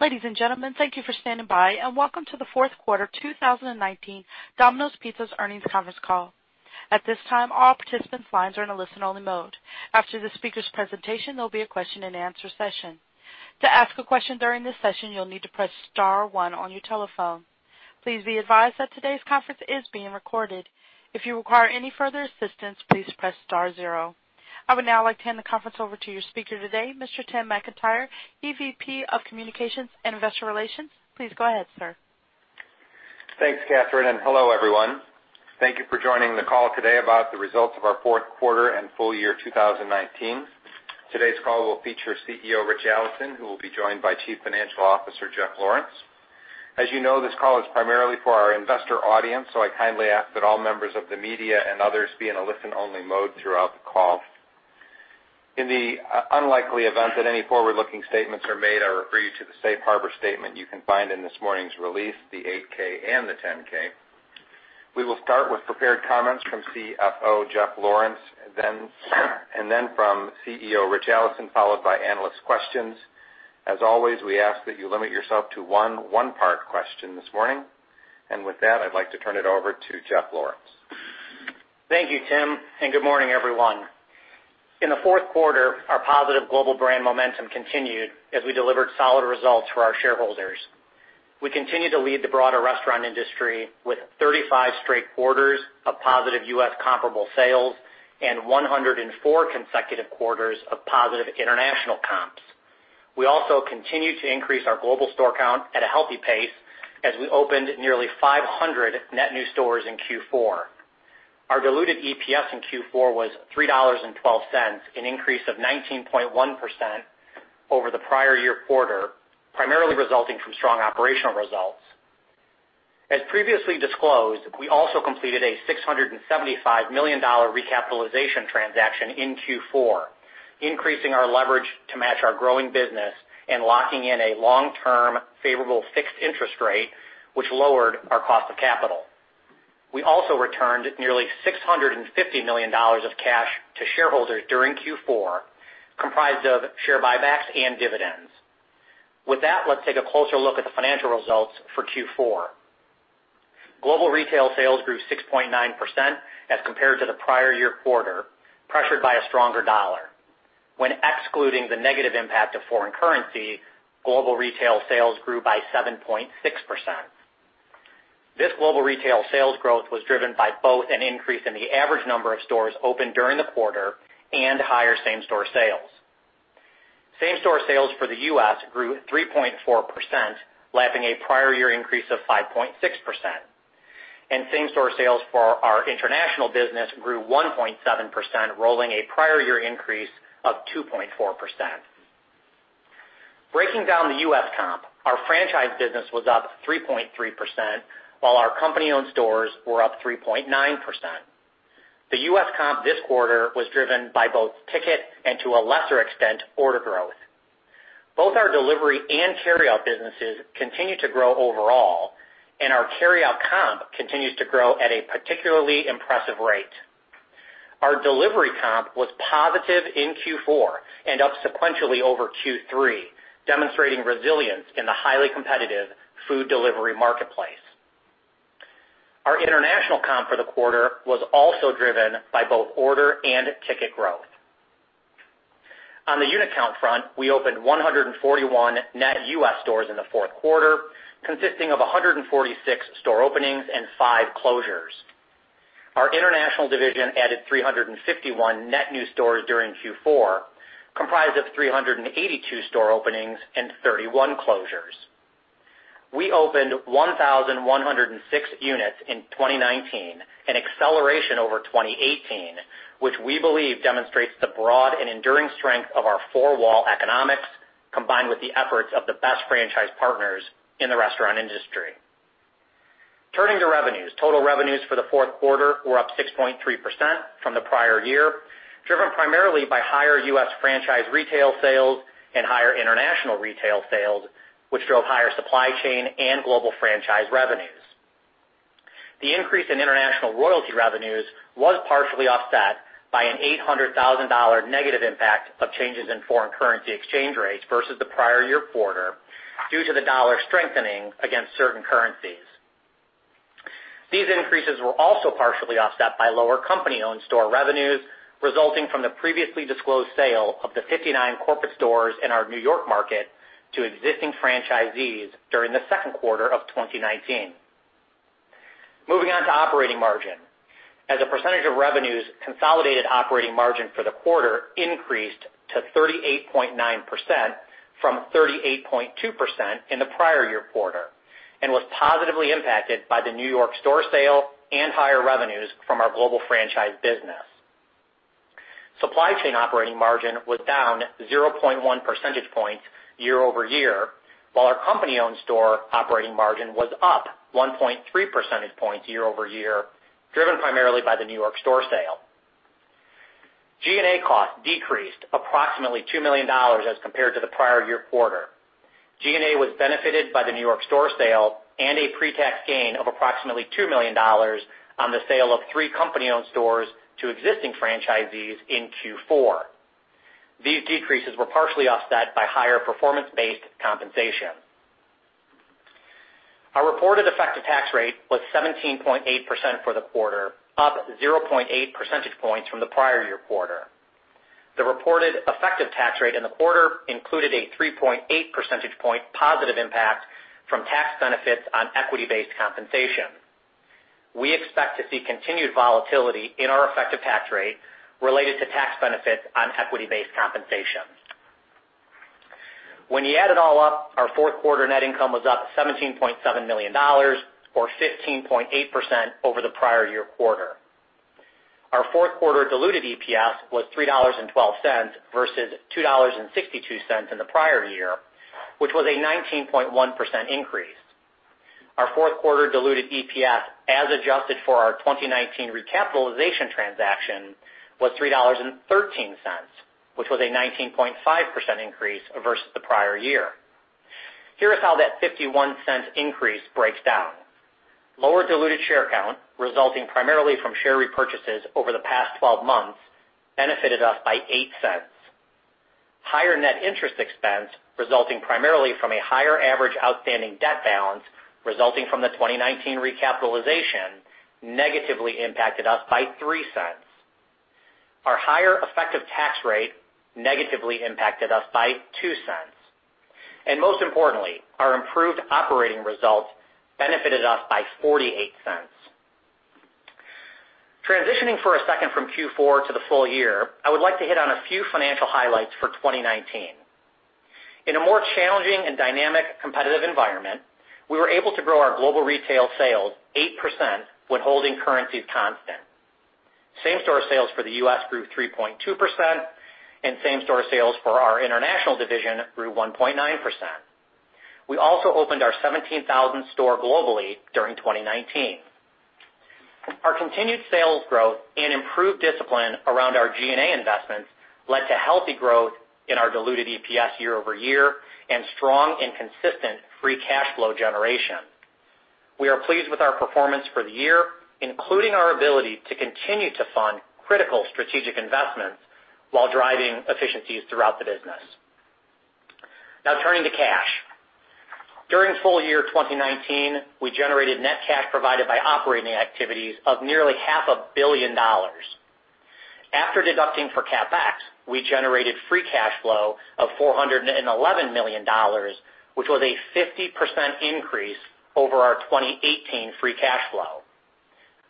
Ladies and gentlemen, thank you for standing by, and welcome to the Fourth Quarter 2019 Domino's Pizza's Earnings Conference Call. At this time, all participants' lines are in a listen-only mode. After the speakers' presentation, there will be a question-and-answer session. To ask a question during this session, you will need to press star one on your telephone. Please be advised that today's conference is being recorded. If you require any further assistance, please press star zero. I would now like to hand the conference over to your speaker today, Mr. Tim McIntyre, EVP of Communications and Investor Relations. Please go ahead, sir. Thanks, Catherine, and hello, everyone. Thank you for joining the call today about the results of our fourth quarter and full year 2019. Today's call will feature CEO, Ritch Allison, who will be joined by Chief Financial Officer, Jeff Lawrence. As you know, this call is primarily for our investor audience. I kindly ask that all members of the media and others be in a listen only mode throughout the call. In the unlikely event that any forward-looking statements are made, I refer you to the safe harbor statement you can find in this morning's release, the 8-K and the 10-K. We will start with prepared comments from CFO, Jeff Lawrence, and then from CEO, Ritch Allison, followed by analyst questions. As always, we ask that you limit yourself to one part question this morning. With that, I'd like to turn it over to Jeff Lawrence. Thank you, Tim. Good morning, everyone. In the fourth quarter, our positive global brand momentum continued as we delivered solid results for our shareholders. We continue to lead the broader restaurant industry with 35 straight quarters of positive U.S. comparable sales and 104 consecutive quarters of positive international comps. We also continue to increase our global store count at a healthy pace as we opened nearly 500 net new stores in Q4. Our diluted EPS in Q4 was $3.12, an increase of 19.1% over the prior year quarter, primarily resulting from strong operational results. As previously disclosed, we also completed a $675 million recapitalization transaction in Q4, increasing our leverage to match our growing business and locking in a long-term favorable fixed interest rate, which lowered our cost of capital. We also returned nearly $650 million of cash to shareholders during Q4, comprised of share buybacks and dividends. With that, let's take a closer look at the financial results for Q4. Global retail sales grew 6.9% as compared to the prior year quarter, pressured by a stronger dollar. When excluding the negative impact of foreign currency, global retail sales grew by 7.6%. This global retail sales growth was driven by both an increase in the average number of stores opened during the quarter and higher same-store sales. Same-store sales for the U.S. grew 3.4%, lapping a prior year increase of 5.6%. Same-store sales for our international business grew 1.7%, rolling a prior year increase of 2.4%. Breaking down the U.S. comp, our franchise business was up 3.3%, while our company-owned stores were up 3.9%. The U.S. comp this quarter was driven by both ticket and, to a lesser extent, order growth. Both our delivery and carryout businesses continue to grow overall, and our carryout comp continues to grow at a particularly impressive rate. Our delivery comp was positive in Q4 and up sequentially over Q3, demonstrating resilience in the highly competitive food delivery marketplace. Our international comp for the quarter was also driven by both order and ticket growth. On the unit count front, we opened 141 net U.S. stores in the fourth quarter, consisting of 146 store openings and five closures. Our international division added 351 net new stores during Q4, comprised of 382 store openings and 31 closures. We opened 1,106 units in 2019, an acceleration over 2018, which we believe demonstrates the broad and enduring strength of our four-wall economics, combined with the efforts of the best franchise partners in the restaurant industry. Turning to revenues. Total revenues for the fourth quarter were up 6.3% from the prior year, driven primarily by higher U.S. franchise retail sales and higher international retail sales, which drove higher supply chain and global franchise revenues. The increase in international royalty revenues was partially offset by an $800,000 negative impact of changes in foreign currency exchange rates versus the prior year quarter due to the dollar strengthening against certain currencies. These increases were also partially offset by lower company-owned store revenues resulting from the previously disclosed sale of the 59 corporate stores in our New York market to existing franchisees during the second quarter of 2019. Moving on to operating margin. As a percentage of revenues, consolidated operating margin for the quarter increased to 38.9% from 38.2% in the prior year quarter and was positively impacted by the New York store sale and higher revenues from our global franchise business. Supply chain operating margin was down 0.1 percentage points year-over-year, while our company-owned store operating margin was up 1.3 percentage points year-over-year, driven primarily by the New York store sale. G&A costs decreased approximately $2 million as compared to the prior year quarter. G&A was benefited by the New York store sale and a pre-tax gain of approximately $2 million on the sale of three company-owned stores to existing franchisees in Q4. These decreases were partially offset by higher performance-based compensation. Our reported effective tax rate was 17.8% for the quarter, up 0.8 percentage points from the prior year quarter. The reported effective tax rate in the quarter included a 3.8 percentage point positive impact from tax benefits on equity-based compensation. We expect to see continued volatility in our effective tax rate related to tax benefits on equity-based compensation. When you add it all up, our fourth quarter net income was up $17.7 million or 15.8% over the prior year quarter. Our fourth quarter diluted EPS was $3.12 versus $2.62 in the prior year, which was a 19.1% increase. Our fourth quarter diluted EPS, as adjusted for our 2019 recapitalization transaction, was $3.13, which was a 19.5% increase versus the prior year. Here is how that $0.51 increase breaks down. Lower diluted share count, resulting primarily from share repurchases over the past 12 months, benefited us by $0.08. Higher net interest expense, resulting primarily from a higher average outstanding debt balance, resulting from the 2019 recapitalization, negatively impacted us by $0.03. Our higher effective tax rate negatively impacted us by $0.02. Most importantly, our improved operating results benefited us by $0.48. Transitioning for a second from Q4 to the full year, I would like to hit on a few financial highlights for 2019. In a more challenging and dynamic competitive environment, we were able to grow our global retail sales 8% when holding currencies constant. Same-store sales for the U.S. Grew 3.2%, same-store sales for our international division grew 1.9%. We also opened our 17,000th store globally during 2019. Our continued sales growth and improved discipline around our G&A investments led to healthy growth in our diluted EPS year over year and strong and consistent free cash flow generation. We are pleased with our performance for the year, including our ability to continue to fund critical strategic investments while driving efficiencies throughout the business. Now turning to cash. During full year 2019, we generated net cash provided by operating activities of nearly half a billion dollars. After deducting for CapEx, we generated free cash flow of $411 million, which was a 50% increase over our 2018 free cash flow.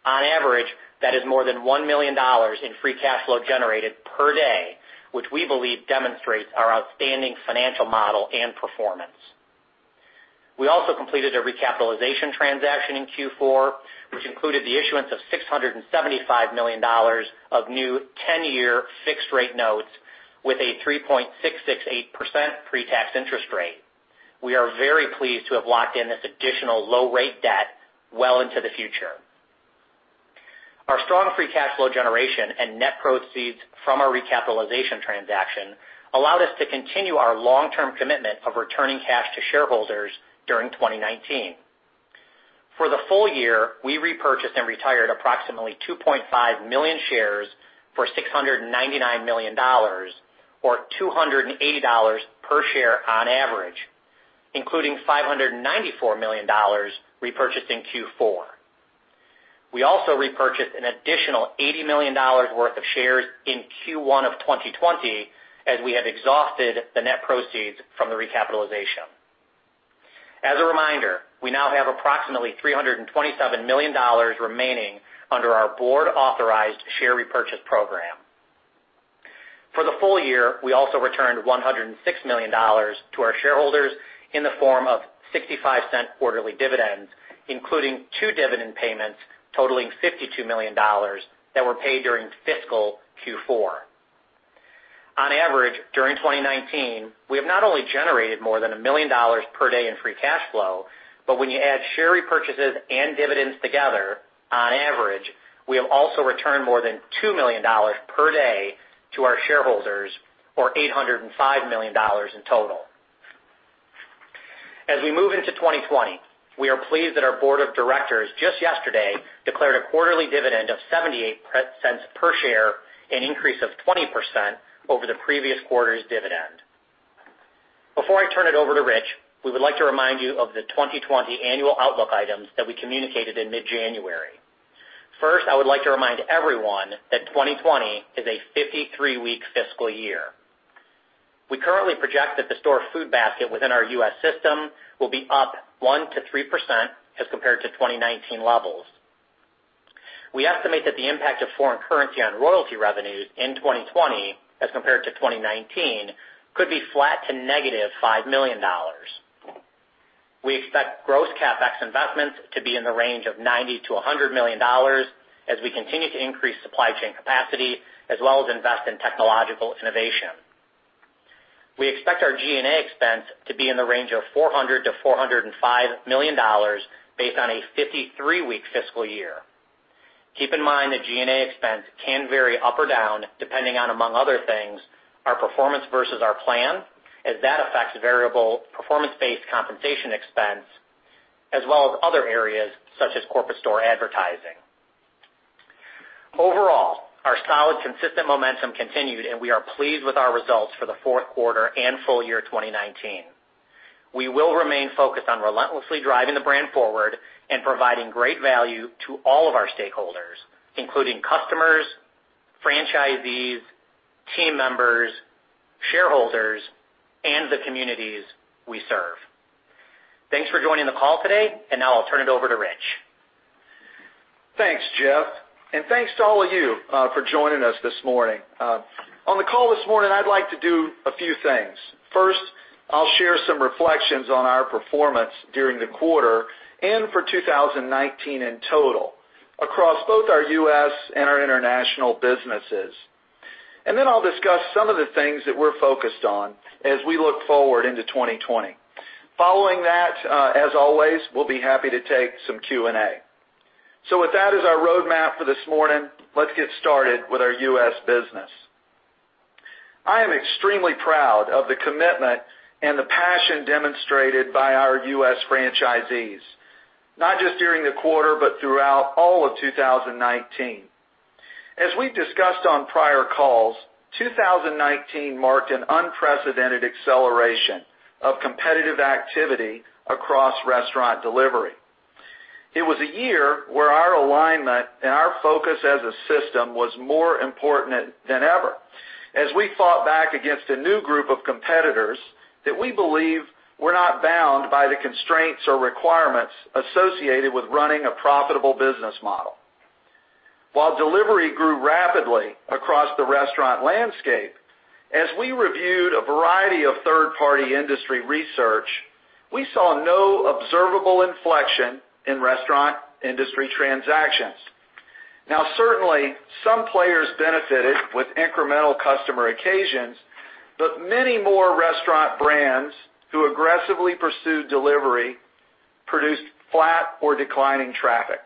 On average, that is more than $1 million in free cash flow generated per day, which we believe demonstrates our outstanding financial model and performance. We also completed a recapitalization transaction in Q4, which included the issuance of $675 million of new 10-year fixed rate notes with a 3.668% pre-tax interest rate. We are very pleased to have locked in this additional low rate debt well into the future. Our strong free cash flow generation and net proceeds from our recapitalization transaction allowed us to continue our long-term commitment of returning cash to shareholders during 2019. For the full year, we repurchased and retired approximately 2.5 million shares for $699 million, or $280 per share on average, including $594 million repurchased in Q4. We also repurchased an additional $80 million worth of shares in Q1 of 2020, as we have exhausted the net proceeds from the recapitalization. As a reminder, we now have approximately $327 million remaining under our board-authorized share repurchase program. For the full year, we also returned $106 million to our shareholders in the form of $0.65 quarterly dividends, including two dividend payments totaling $52 million that were paid during fiscal Q4. On average, during 2019, we have not only generated more than $1 million per day in free cash flow, but when you add share repurchases and dividends together, on average, we have also returned more than $2 million per day to our shareholders or $805 million in total. As we move into 2020, we are pleased that our board of directors just yesterday declared a quarterly dividend of $0.78 per share, an increase of 20% over the previous quarter's dividend. Before I turn it over to Ritch, we would like to remind you of the 2020 annual outlook items that we communicated in mid-January. First, I would like to remind everyone that 2020 is a 53-week fiscal year. We currently project that the store food basket within our U.S. system will be up 1% to 3% as compared to 2019 levels. We estimate that the impact of foreign currency on royalty revenues in 2020 as compared to 2019 could be flat to negative $5 million. We expect gross CapEx investments to be in the range of $90 million-$100 million as we continue to increase supply chain capacity as well as invest in technological innovation. We expect our G&A expense to be in the range of $400 million-$405 million based on a 53-week fiscal year. Keep in mind that G&A expense can vary up or down depending on, among other things, our performance versus our plan, as that affects variable performance-based compensation expense, as well as other areas such as corporate store advertising. Overall, our solid consistent momentum continued. We are pleased with our results for the fourth quarter and full year 2019. We will remain focused on relentlessly driving the brand forward and providing great value to all of our stakeholders, including customers, franchisees, team members, shareholders, and the communities we serve. Thanks for joining the call today. Now I'll turn it over to Ritch. Thanks, Jeff. Thanks to all of you for joining us this morning. On the call this morning, I'd like to do a few things. First, I'll share some reflections on our performance during the quarter and for 2019 in total across both our U.S. and our international businesses. Then I'll discuss some of the things that we're focused on as we look forward into 2020. Following that, as always, we'll be happy to take some Q&A. With that as our roadmap for this morning, let's get started with our U.S. business. I am extremely proud of the commitment and the passion demonstrated by our U.S. franchisees, not just during the quarter, but throughout all of 2019. As we've discussed on prior calls, 2019 marked an unprecedented acceleration of competitive activity across restaurant delivery. It was a year where our alignment and our focus as a system was more important than ever, as we fought back against a new group of competitors that we believe were not bound by the constraints or requirements associated with running a profitable business model. While delivery grew rapidly across the restaurant landscape, as we reviewed a variety of third-party industry research, we saw no observable inflection in restaurant industry transactions. Certainly, some players benefited with incremental customer occasions, but many more restaurant brands who aggressively pursued delivery produced flat or declining traffic.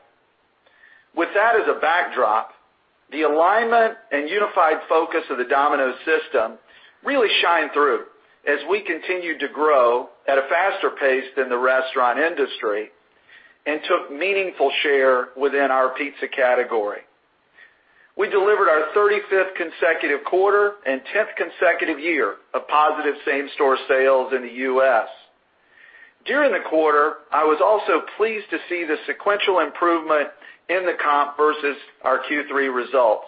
With that as a backdrop, the alignment and unified focus of the Domino's system really shined through as we continued to grow at a faster pace than the restaurant industry and took meaningful share within our pizza category. We delivered our 35th consecutive quarter and 10th consecutive year of positive same-store sales in the U.S. During the quarter, I was also pleased to see the sequential improvement in the comp versus our Q3 results.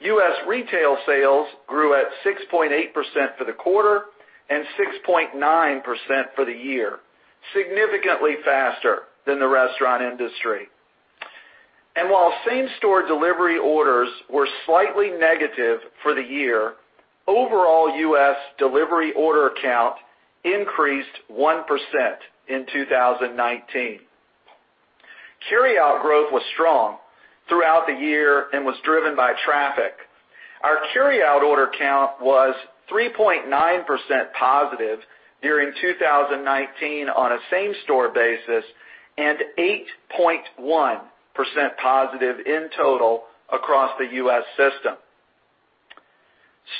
U.S. retail sales grew at 6.8% for the quarter and 6.9% for the year, significantly faster than the restaurant industry. While same-store delivery orders were slightly negative for the year, overall U.S. delivery order count increased 1% in 2019. Carryout growth was strong throughout the year and was driven by traffic. Our carryout order count was 3.9% positive during 2019 on a same-store basis and 8.1% positive in total across the U.S. system.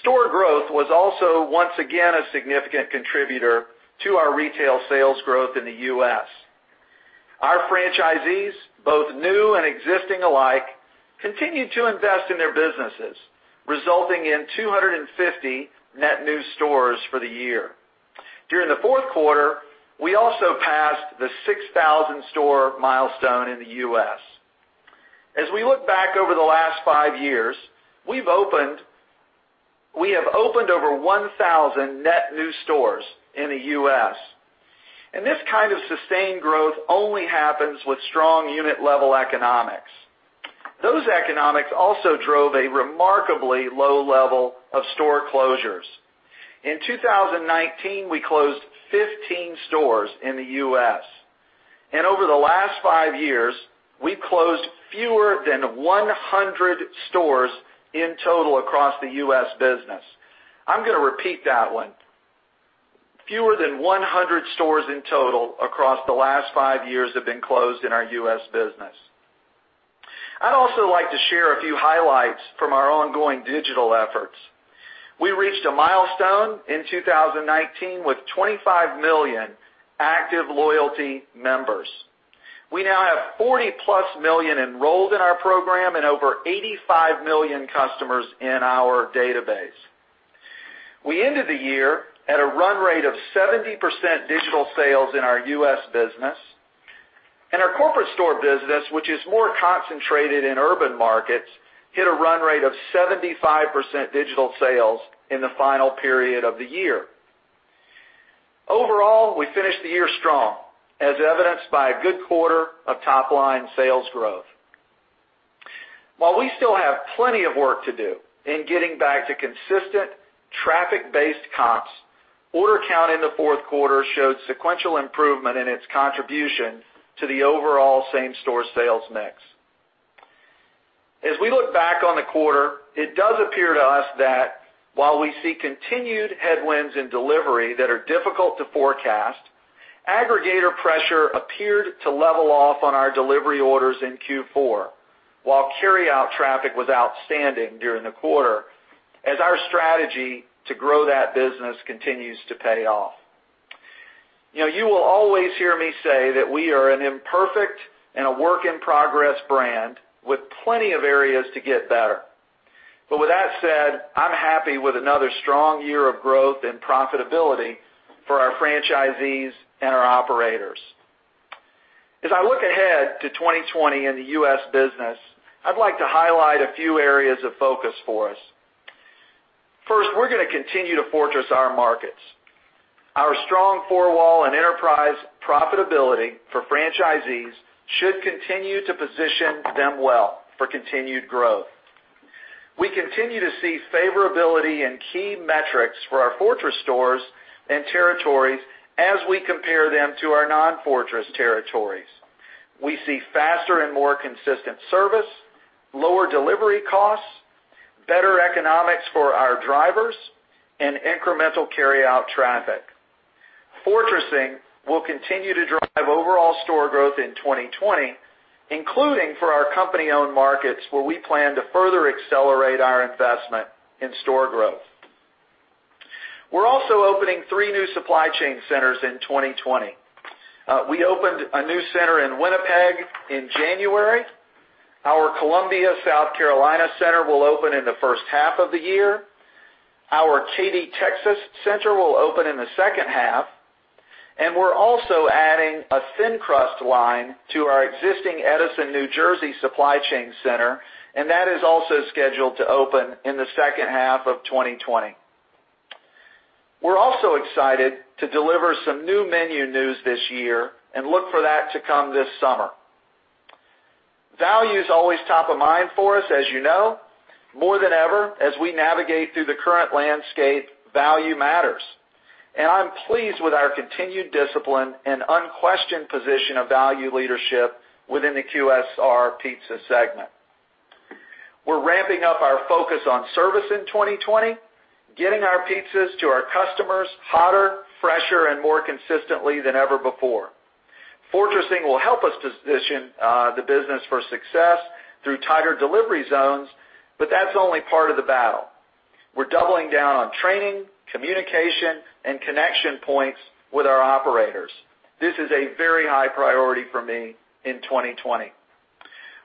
Store growth was also once again a significant contributor to our retail sales growth in the U.S. Our franchisees, both new and existing alike, continued to invest in their businesses, resulting in 250 net new stores for the year. During the fourth quarter, we also passed the 6,000-store milestone in the U.S. As we look back over the last five years, we have opened over 1,000 net new stores in the U.S. This kind of sustained growth only happens with strong unit-level economics. Those economics also drove a remarkably low level of store closures. In 2019, we closed 15 stores in the U.S., and over the last five years, we've closed fewer than 100 stores in total across the U.S. business. I'm going to repeat that one. Fewer than 100 stores in total across the last five years have been closed in our U.S. business. I'd also like to share a few highlights from our ongoing digital efforts. We reached a milestone in 2019 with 25 million active loyalty members. We now have 40+ million enrolled in our program and over 85 million customers in our database. We ended the year at a run rate of 70% digital sales in our US business, and our corporate store business, which is more concentrated in urban markets, hit a run rate of 75% digital sales in the final period of the year. Overall, we finished the year strong, as evidenced by a good quarter of top-line sales growth. While we still have plenty of work to do in getting back to consistent traffic-based comps, order count in the fourth quarter showed sequential improvement in its contribution to the overall same-store sales mix. As we look back on the quarter, it does appear to us that while we see continued headwinds in delivery that are difficult to forecast, aggregator pressure appeared to level off on our delivery orders in Q4, while carryout traffic was outstanding during the quarter, as our strategy to grow that business continues to pay off. You will always hear me say that we are an imperfect and a work-in-progress brand with plenty of areas to get better. With that said, I'm happy with another strong year of growth and profitability for our franchisees and our operators. As I look ahead to 2020 in the U.S. business, I'd like to highlight a few areas of focus for us. First, we're going to continue to fortress our markets. Our strong four-wall and enterprise profitability for franchisees should continue to position them well for continued growth. We continue to see favorability in key metrics for our fortress stores and territories as we compare them to our non-fortress territories. We see faster and more consistent service, lower delivery costs, better economics for our drivers, and incremental carryout traffic. Fortressing will continue to drive overall store growth in 2020, including for our company-owned markets, where we plan to further accelerate our investment in store growth. We're also opening three new supply chain centers in 2020. We opened a new center in Winnipeg in January. Our Columbia, South Carolina center will open in the first half of the year. Our Katy, Texas center will open in the second half, and we're also adding a thin-crust line to our existing Edison, New Jersey supply chain center, and that is also scheduled to open in the second half of 2020. We're also excited to deliver some new menu news this year and look for that to come this summer. Value is always top of mind for us, as you know. More than ever, as we navigate through the current landscape, value matters. I'm pleased with our continued discipline and unquestioned position of value leadership within the QSR pizza segment. We're ramping up our focus on service in 2020, getting our pizzas to our customers hotter, fresher, and more consistently than ever before. Fortressing will help us position the business for success through tighter delivery zones, but that's only part of the battle. We're doubling down on training, communication, and connection points with our operators. This is a very high priority for me in 2020.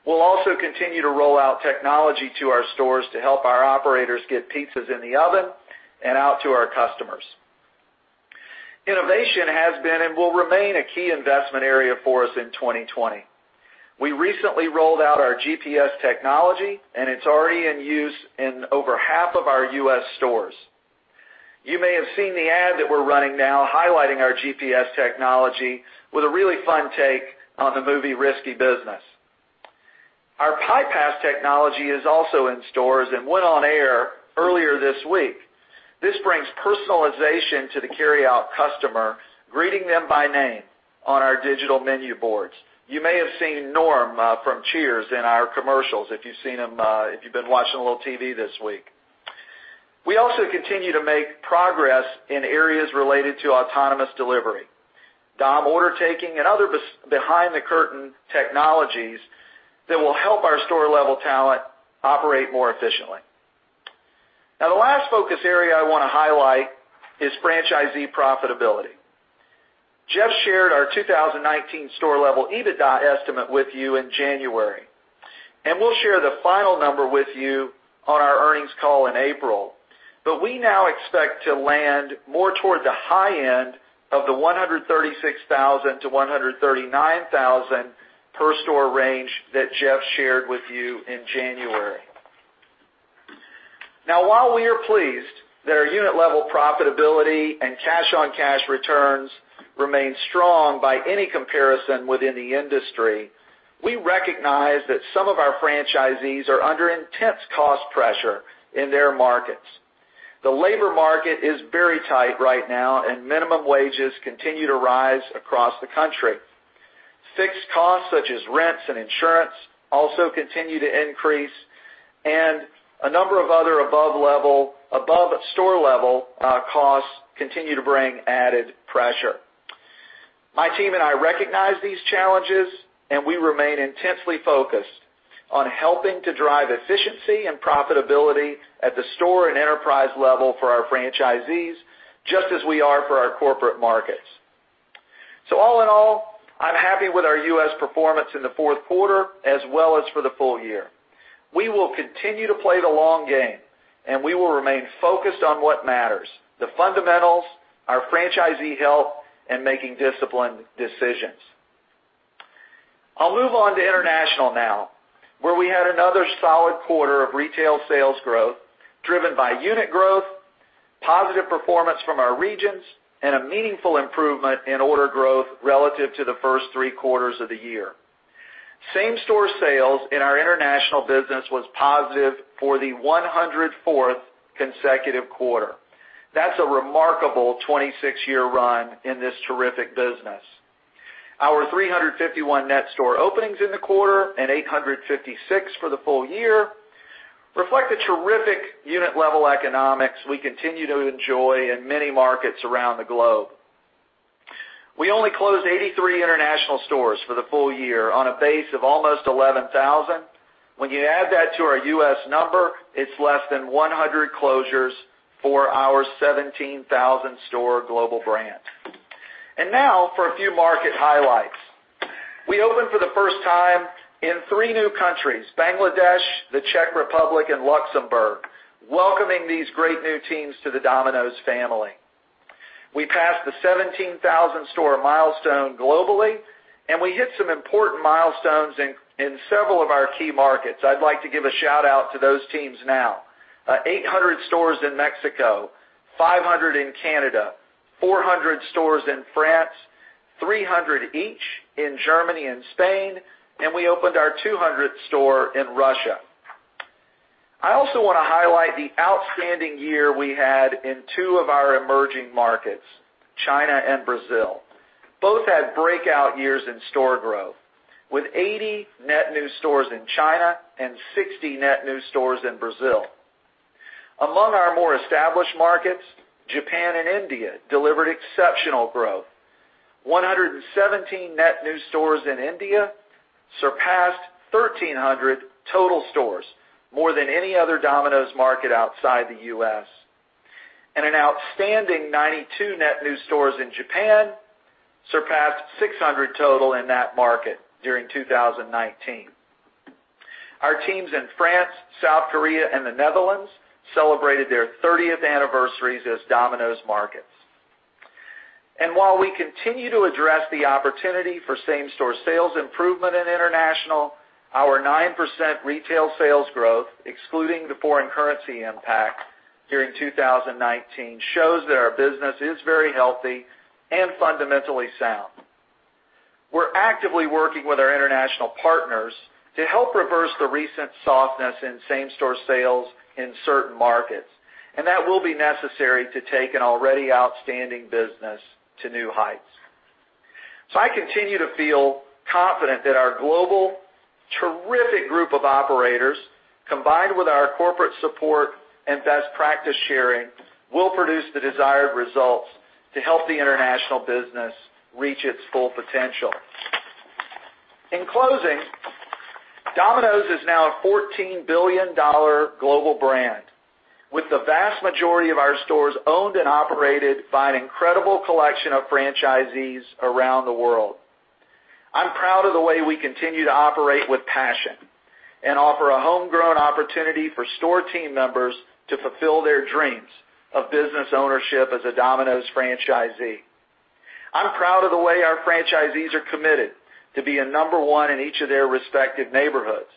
We'll also continue to roll out technology to our stores to help our operators get pizzas in the oven and out to our customers. Innovation has been and will remain a key investment area for us in 2020. We recently rolled out our GPS technology, and it's already in use in over half of our U.S. stores. You may have seen the ad that we're running now highlighting our GPS technology with a really fun take on the movie "Risky Business." Our Pie Pass technology is also in stores and went on air earlier this week. This brings personalization to the carryout customer, greeting them by name on our digital menu boards. You may have seen Norm from Cheers in our commercials, if you've been watching a little TV this week. We also continue to make progress in areas related to autonomous delivery, Dom order taking, and other behind-the-curtain technologies that will help our store-level talent operate more efficiently. The last focus area I want to highlight is franchisee profitability. Jeff shared our 2019 store-level EBITDA estimate with you in January, and we'll share the final number with you on our earnings call in April. We now expect to land more toward the high end of the 136,000-139,000 per store range that Jeff shared with you in January. Now, while we are pleased that our unit-level profitability and cash-on-cash returns remain strong by any comparison within the industry, we recognize that some of our franchisees are under intense cost pressure in their markets. The labor market is very tight right now, and minimum wages continue to rise across the country. Fixed costs such as rents and insurance also continue to increase, and a number of other above store-level costs continue to bring added pressure. My team and I recognize these challenges, and we remain intensely focused on helping to drive efficiency and profitability at the store and enterprise level for our franchisees, just as we are for our corporate markets. All in all, I'm happy with our U.S. performance in the fourth quarter, as well as for the full year. We will continue to play the long game, and we will remain focused on what matters, the fundamentals, our franchisee health, and making disciplined decisions. I'll move on to international now, where we had another solid quarter of retail sales growth driven by unit growth, positive performance from our regions, and a meaningful improvement in order growth relative to the first three quarters of the year. Same-store sales in our international business was positive for the 104th consecutive quarter. That's a remarkable 26-year run in this terrific business. Our 351 net store openings in the quarter and 856 for the full year reflect the terrific unit-level economics we continue to enjoy in many markets around the globe. We only closed 83 international stores for the full year on a base of almost 11,000. When you add that to our U.S. number, it's less than 100 closures for our 17,000 store global brand. Now for a few market highlights. We opened for the first time in three new countries, Bangladesh, the Czech Republic, and Luxembourg, welcoming these great new teams to the Domino's family. We passed the 17,000 store milestone globally, and we hit some important milestones in several of our key markets. I'd like to give a shout-out to those teams now. 800 stores in Mexico, 500 in Canada, 400 stores in France, 300 each in Germany and Spain, and we opened our 200th store in Russia. I also want to highlight the outstanding year we had in two of our emerging markets, China and Brazil. Both had breakout years in store growth, with 80 net new stores in China and 60 net new stores in Brazil. Among our more established markets, Japan and India delivered exceptional growth, 117 net new stores in India surpassed 1,300 total stores, more than any other Domino's market outside the U.S. An outstanding 92 net new stores in Japan surpassed 600 total in that market during 2019. Our teams in France, South Korea, and the Netherlands celebrated their 30th anniversaries as Domino's markets. While we continue to address the opportunity for same-store sales improvement in international, our 9% retail sales growth, excluding the foreign currency impact during 2019, shows that our business is very healthy and fundamentally sound. We're actively working with our international partners to help reverse the recent softness in same-store sales in certain markets. That will be necessary to take an already outstanding business to new heights. I continue to feel confident that our global terrific group of operators, combined with our corporate support and best practice sharing, will produce the desired results to help the international business reach its full potential. In closing, Domino's is now a $14 billion global brand. With the vast majority of our stores owned and operated by an incredible collection of franchisees around the world. I'm proud of the way we continue to operate with passion and offer a homegrown opportunity for store team members to fulfill their dreams of business ownership as a Domino's franchisee. I'm proud of the way our franchisees are committed to being number one in each of their respective neighborhoods.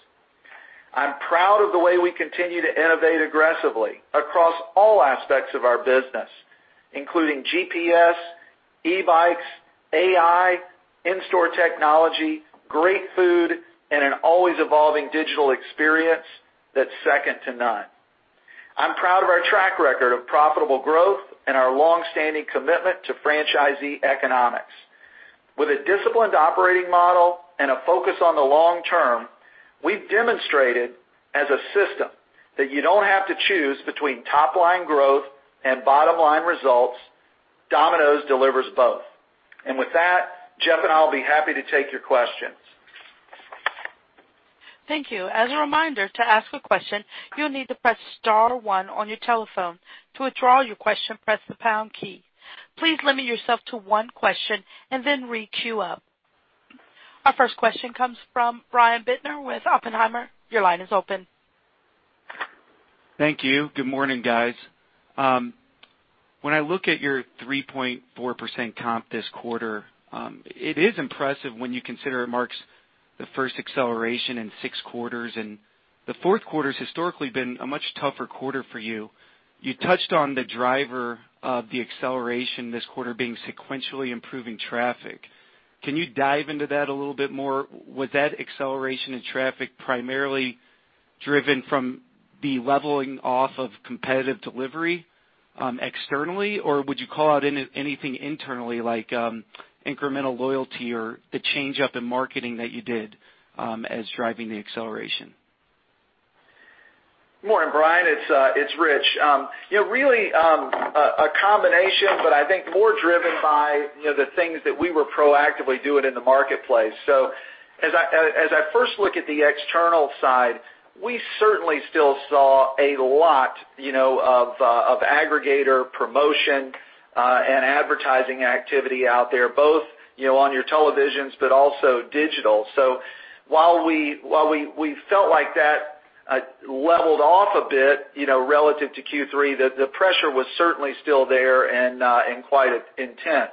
I'm proud of the way we continue to innovate aggressively across all aspects of our business, including GPS, e-bikes, AI, in-store technology, great food, and an always evolving digital experience that's second to none. I'm proud of our track record of profitable growth and our long-standing commitment to franchisee economics. With a disciplined operating model and a focus on the long term, we've demonstrated as a system that you don't have to choose between top-line growth and bottom-line results. Domino's delivers both. With that, Jeff and I will be happy to take your questions. Thank you. As a reminder, to ask a question, you'll need to press star one on your telephone. To withdraw your question, press the pound key. Please limit yourself to one question and then re-queue up. Our first question comes from Brian Bittner with Oppenheimer. Your line is open. Thank you. Good morning, guys. When I look at your 3.4% comp this quarter, it is impressive when you consider it marks the first acceleration in six quarters. The fourth quarter's historically been a much tougher quarter for you. You touched on the driver of the acceleration this quarter being sequentially improving traffic. Can you dive into that a little bit more? Was that acceleration in traffic primarily driven from the leveling off of competitive delivery externally, or would you call out anything internally, like incremental loyalty or the change-up in marketing that you did as driving the acceleration? Morning, Brian. It's Ritch. Really, a combination, but I think more driven by the things that we were proactively doing in the marketplace. As I first look at the external side, we certainly still saw a lot of aggregator promotion and advertising activity out there, both on your televisions, but also digital. While we felt like that leveled off a bit relative to Q3, the pressure was certainly still there and quite intense.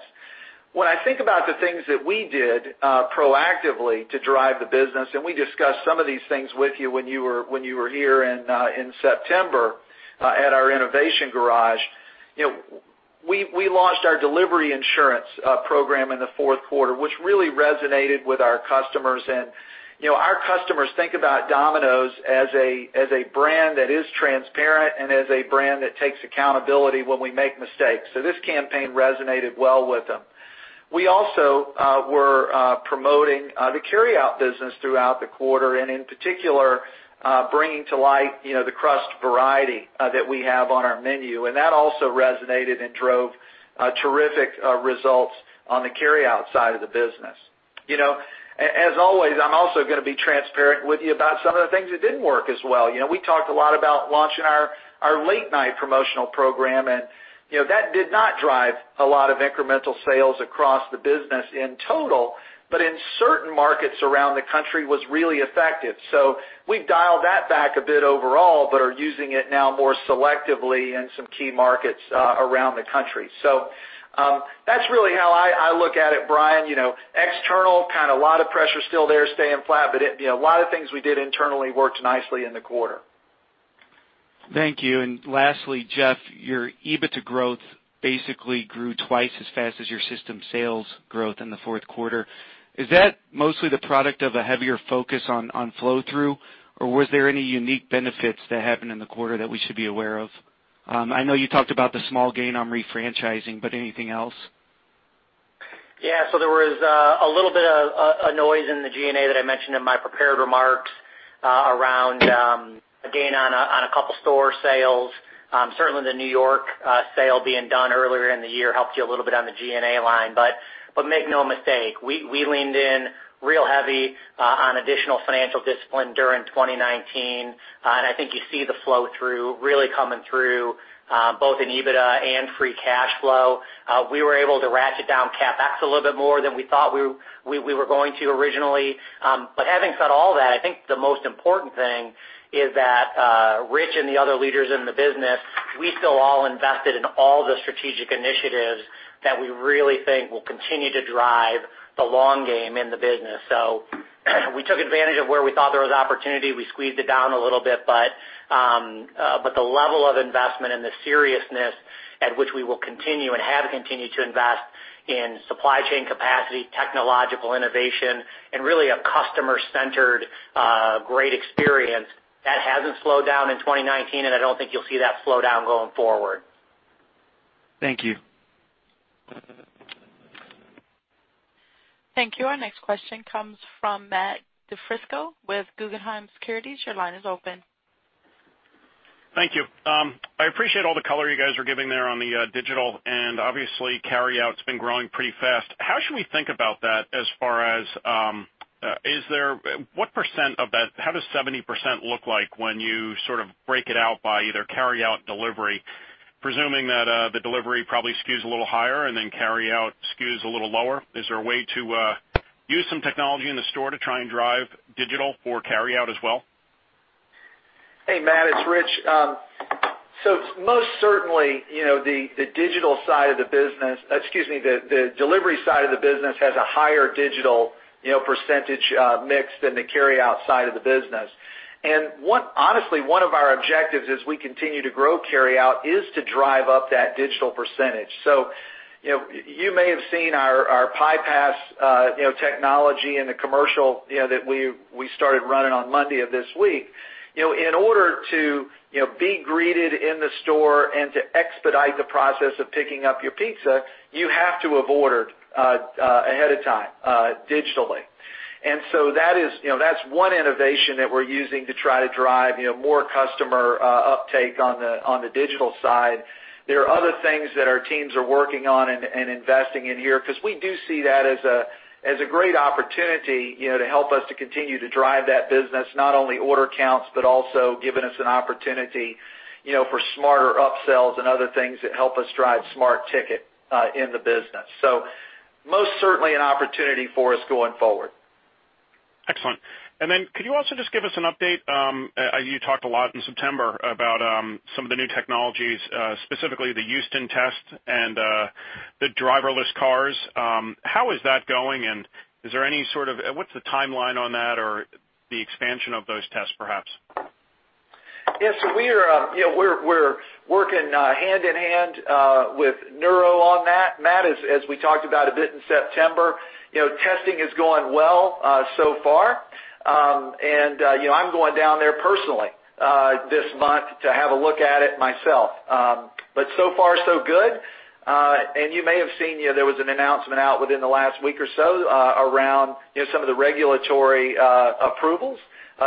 When I think about the things that we did proactively to drive the business, and we discussed some of these things with you when you were here in September at our Domino's Innovation Garage. We launched our Delivery Insurance program in the fourth quarter, which really resonated with our customers. Our customers think about Domino's as a brand that is transparent and as a brand that takes accountability when we make mistakes. This campaign resonated well with them. We also were promoting the carryout business throughout the quarter, and in particular, bringing to light the crust variety that we have on our menu. That also resonated and drove terrific results on the carryout side of the business. As always, I'm also going to be transparent with you about some of the things that didn't work as well. We talked a lot about launching our late-night promotional program, and that did not drive a lot of incremental sales across the business in total, but in certain markets around the country, was really effective. We've dialed that back a bit overall, but are using it now more selectively in some key markets around the country. That's really how I look at it, Brian. External, a lot of pressure still there, staying flat, but a lot of things we did internally worked nicely in the quarter. Thank you. Lastly, Jeff, your EBITDA growth basically grew twice as fast as your system sales growth in the fourth quarter. Is that mostly the product of a heavier focus on flow-through, or was there any unique benefits that happened in the quarter that we should be aware of? I know you talked about the small gain on refranchising, anything else? There was a little bit of a noise in the G&A that I mentioned in my prepared remarks around a gain on a couple store sales. Certainly, the New York sale being done earlier in the year helped you a little bit on the G&A line. Make no mistake, we leaned in real heavy on additional financial discipline during 2019, and I think you see the flow-through really coming through both in EBITDA and free cash flow. We were able to ratchet down CapEx a little bit more than we thought we were going to originally. Having said all that, I think the most important thing is that Ritch and the other leaders in the business, we still all invested in all the strategic initiatives that we really think will continue to drive the long game in the business. We took advantage of where we thought there was opportunity. We squeezed it down a little bit. The level of investment and the seriousness at which we will continue and have continued to invest in supply chain capacity, technological innovation, and really a customer-centered great experience, that hasn't slowed down in 2019. I don't think you'll see that slow down going forward. Thank you. Thank you. Our next question comes from Matt DiFrisco with Guggenheim Securities. Your line is open. Thank you. I appreciate all the color you guys are giving there on the digital, obviously, carryout's been growing pretty fast. How should we think about that as far as, how does 70% look like when you break it out by either carryout or delivery, presuming that the delivery probably skews a little higher then carryout skews a little lower? Is there a way to use some technology in the store to try and drive digital or carryout as well? Hey, Matt, it's Ritch. Most certainly, the delivery side of the business has a higher digital percentage mix than the carryout side of the business. Honestly, one of our objectives as we continue to grow carryout is to drive up that digital percentage. You may have seen our Pie Pass technology and the commercial that we started running on Monday of this week. In order to be greeted in the store and to expedite the process of picking up your pizza, you have to have ordered ahead of time digitally. That's one innovation that we're using to try to drive more customer uptake on the digital side. There are other things that our teams are working on and investing in here because we do see that as a great opportunity to help us to continue to drive that business, not only order counts, but also giving us an opportunity for smarter upsells and other things that help us drive smart ticket in the business. Most certainly an opportunity for us going forward. Excellent. Could you also just give us an update, you talked a lot in September about some of the new technologies, specifically the Houston test and the driverless cars. How is that going, and what's the timeline on that or the expansion of those tests, perhaps? Yeah. We're working hand in hand with Nuro on that, Matt, as we talked about a bit in September. Testing is going well so far. I'm going down there personally this month to have a look at it myself. So far, so good. You may have seen, there was an announcement out within the last week or so around some of the regulatory approvals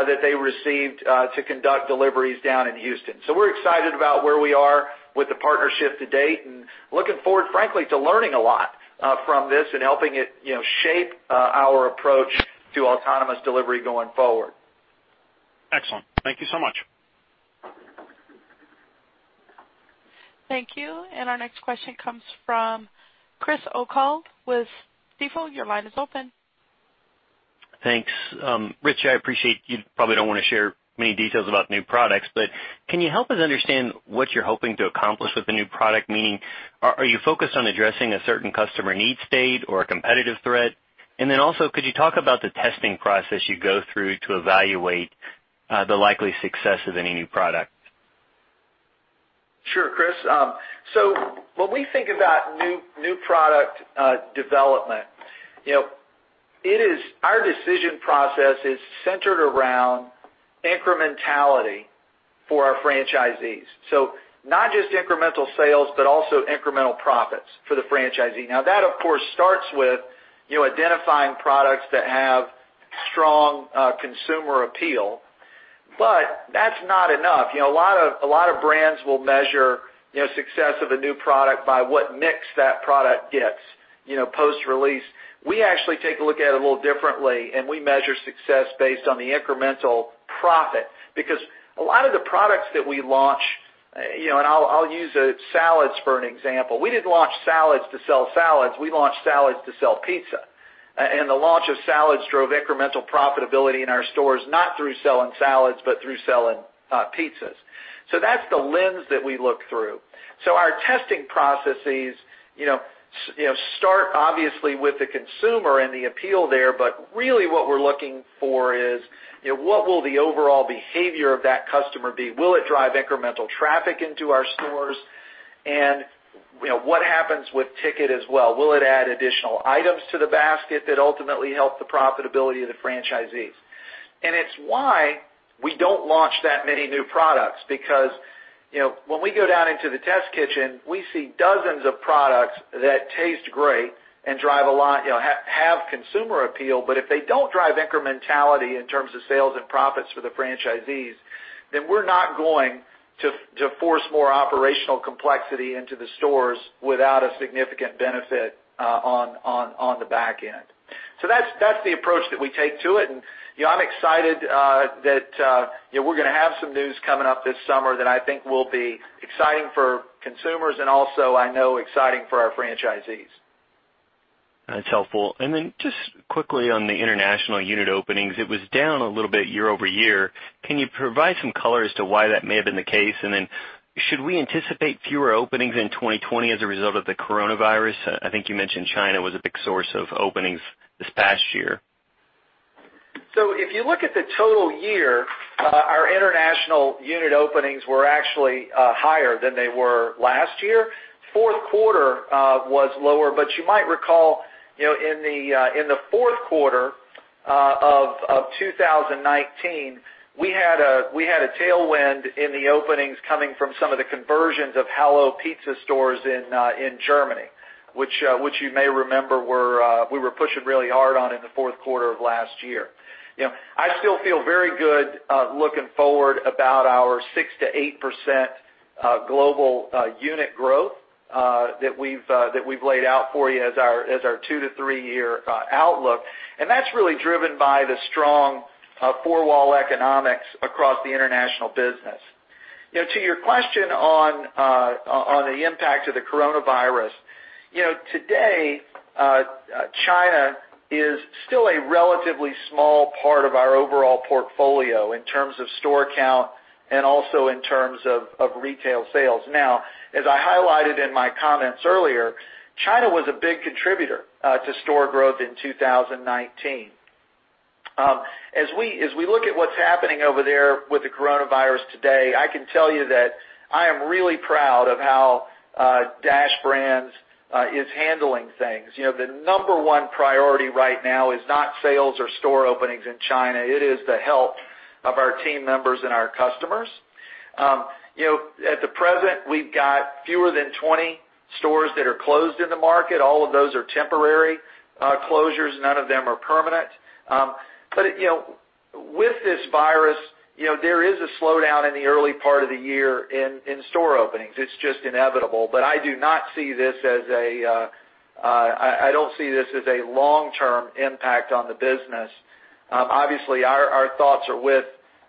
that they received to conduct deliveries down in Houston. We're excited about where we are with the partnership to date, and looking forward, frankly, to learning a lot from this and helping it shape our approach to autonomous delivery going forward. Excellent. Thank you so much. Thank you. Our next question comes from Chris O'Cull with Stifel. Your line is open. Thanks. Ritch, I appreciate you probably don't want to share many details about new products, but can you help us understand what you're hoping to accomplish with the new product? Meaning, are you focused on addressing a certain customer need state or a competitive threat? Could you talk about the testing process you go through to evaluate the likely success of any new product? Sure, Chris. When we think about new product development, our decision process is centered around incrementality for our franchisees. Not just incremental sales, but also incremental profits for the franchisee. That, of course, starts with identifying products that have strong consumer appeal, but that's not enough. A lot of brands will measure success of a new product by what mix that product gets post-release. We actually take a look at it a little differently, and we measure success based on the incremental profit. A lot of the products that we launch, and I'll use salads for an example. We didn't launch salads to sell salads. We launched salads to sell pizza, and the launch of salads drove incremental profitability in our stores, not through selling salads, but through selling pizzas. That's the lens that we look through. Our testing processes start obviously with the consumer and the appeal there, but really what we're looking for is what will the overall behavior of that customer be? Will it drive incremental traffic into our stores? What happens with ticket as well? Will it add additional items to the basket that ultimately help the profitability of the franchisees? It's why we don't launch that many new products, because when we go down into the test kitchen, we see dozens of products that taste great and have consumer appeal. If they don't drive incrementality in terms of sales and profits for the franchisees, then we're not going to force more operational complexity into the stores without a significant benefit on the back end. That's the approach that we take to it, and I'm excited that we're going to have some news coming up this summer that I think will be exciting for consumers and also, I know, exciting for our franchisees. That's helpful. Just quickly on the international unit openings, it was down a little bit year-over-year. Can you provide some color as to why that may have been the case? Should we anticipate fewer openings in 2020 as a result of the coronavirus? I think you mentioned China was a big source of openings this past year. If you look at the total year, our international unit openings were actually higher than they were last year. Fourth quarter was lower, but you might recall in the fourth quarter of 2019, we had a tailwind in the openings coming from some of the conversions of Hallo Pizza stores in Germany, which you may remember we were pushing really hard on in the fourth quarter of last year. I still feel very good looking forward about our 6%-8% global unit growth that we've laid out for you as our two to three year outlook. That's really driven by the strong four-wall economics across the international business. To your question on the impact of the coronavirus, today, China is still a relatively small part of our overall portfolio in terms of store count and also in terms of retail sales. As I highlighted in my comments earlier, China was a big contributor to store growth in 2019. As we look at what's happening over there with the coronavirus today, I can tell you that I am really proud of how Dash Brands is handling things. The number one priority right now is not sales or store openings in China. It is the health of our team members and our customers. At the present, we've got fewer than 20 stores that are closed in the market. All of those are temporary closures. None of them are permanent. With this virus, there is a slowdown in the early part of the year in store openings. It's just inevitable. I don't see this as a long-term impact on the business. Our thoughts are with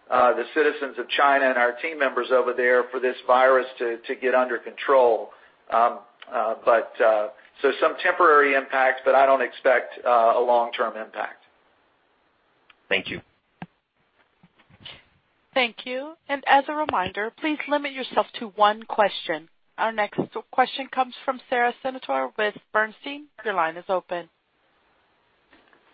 the citizens of China and our team members over there for this virus to get under control. Some temporary impacts, but I don't expect a long-term impact. Thank you. Thank you. As a reminder, please limit yourself to one question. Our next question comes from Sara Senatore with Bernstein. Your line is open.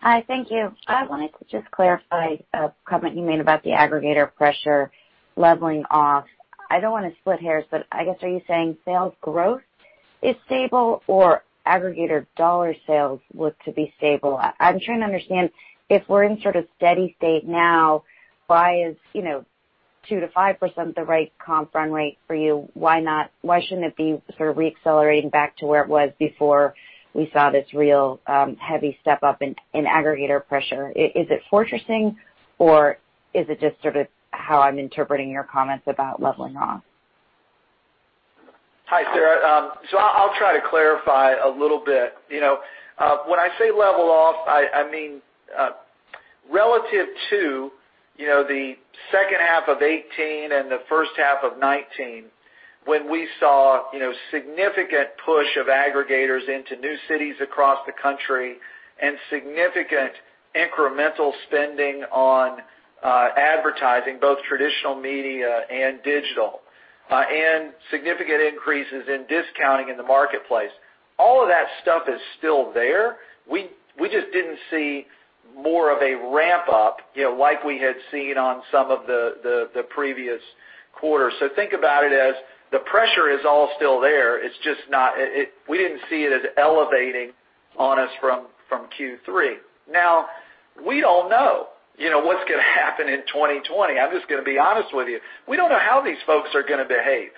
Hi. Thank you. I wanted to just clarify a comment you made about the aggregator pressure leveling off. I don't want to split hairs. I guess, are you saying sales growth is stable or aggregator dollar sales look to be stable? I'm trying to understand if we're in sort of steady state now, why is 2%-5% the right comp run rate for you? Why shouldn't it be sort of re-accelerating back to where it was before we saw this real heavy step-up in aggregator pressure? Is it fortressing or is it just sort of how I'm interpreting your comments about leveling off? Hi, Sara. I'll try to clarify a little bit. When I say level off, I mean relative to the second half of 2018 and the first half of 2019, when we saw significant push of aggregators into new cities across the country and significant incremental spending on advertising, both traditional media and digital, and significant increases in discounting in the marketplace. All of that stuff is still there. We just didn't see more of a ramp-up like we had seen on some of the previous quarters. Think about it as the pressure is all still there, we didn't see it as elevating on us from Q3. We don't know what's going to happen in 2020. I'm just going to be honest with you. We don't know how these folks are going to behave.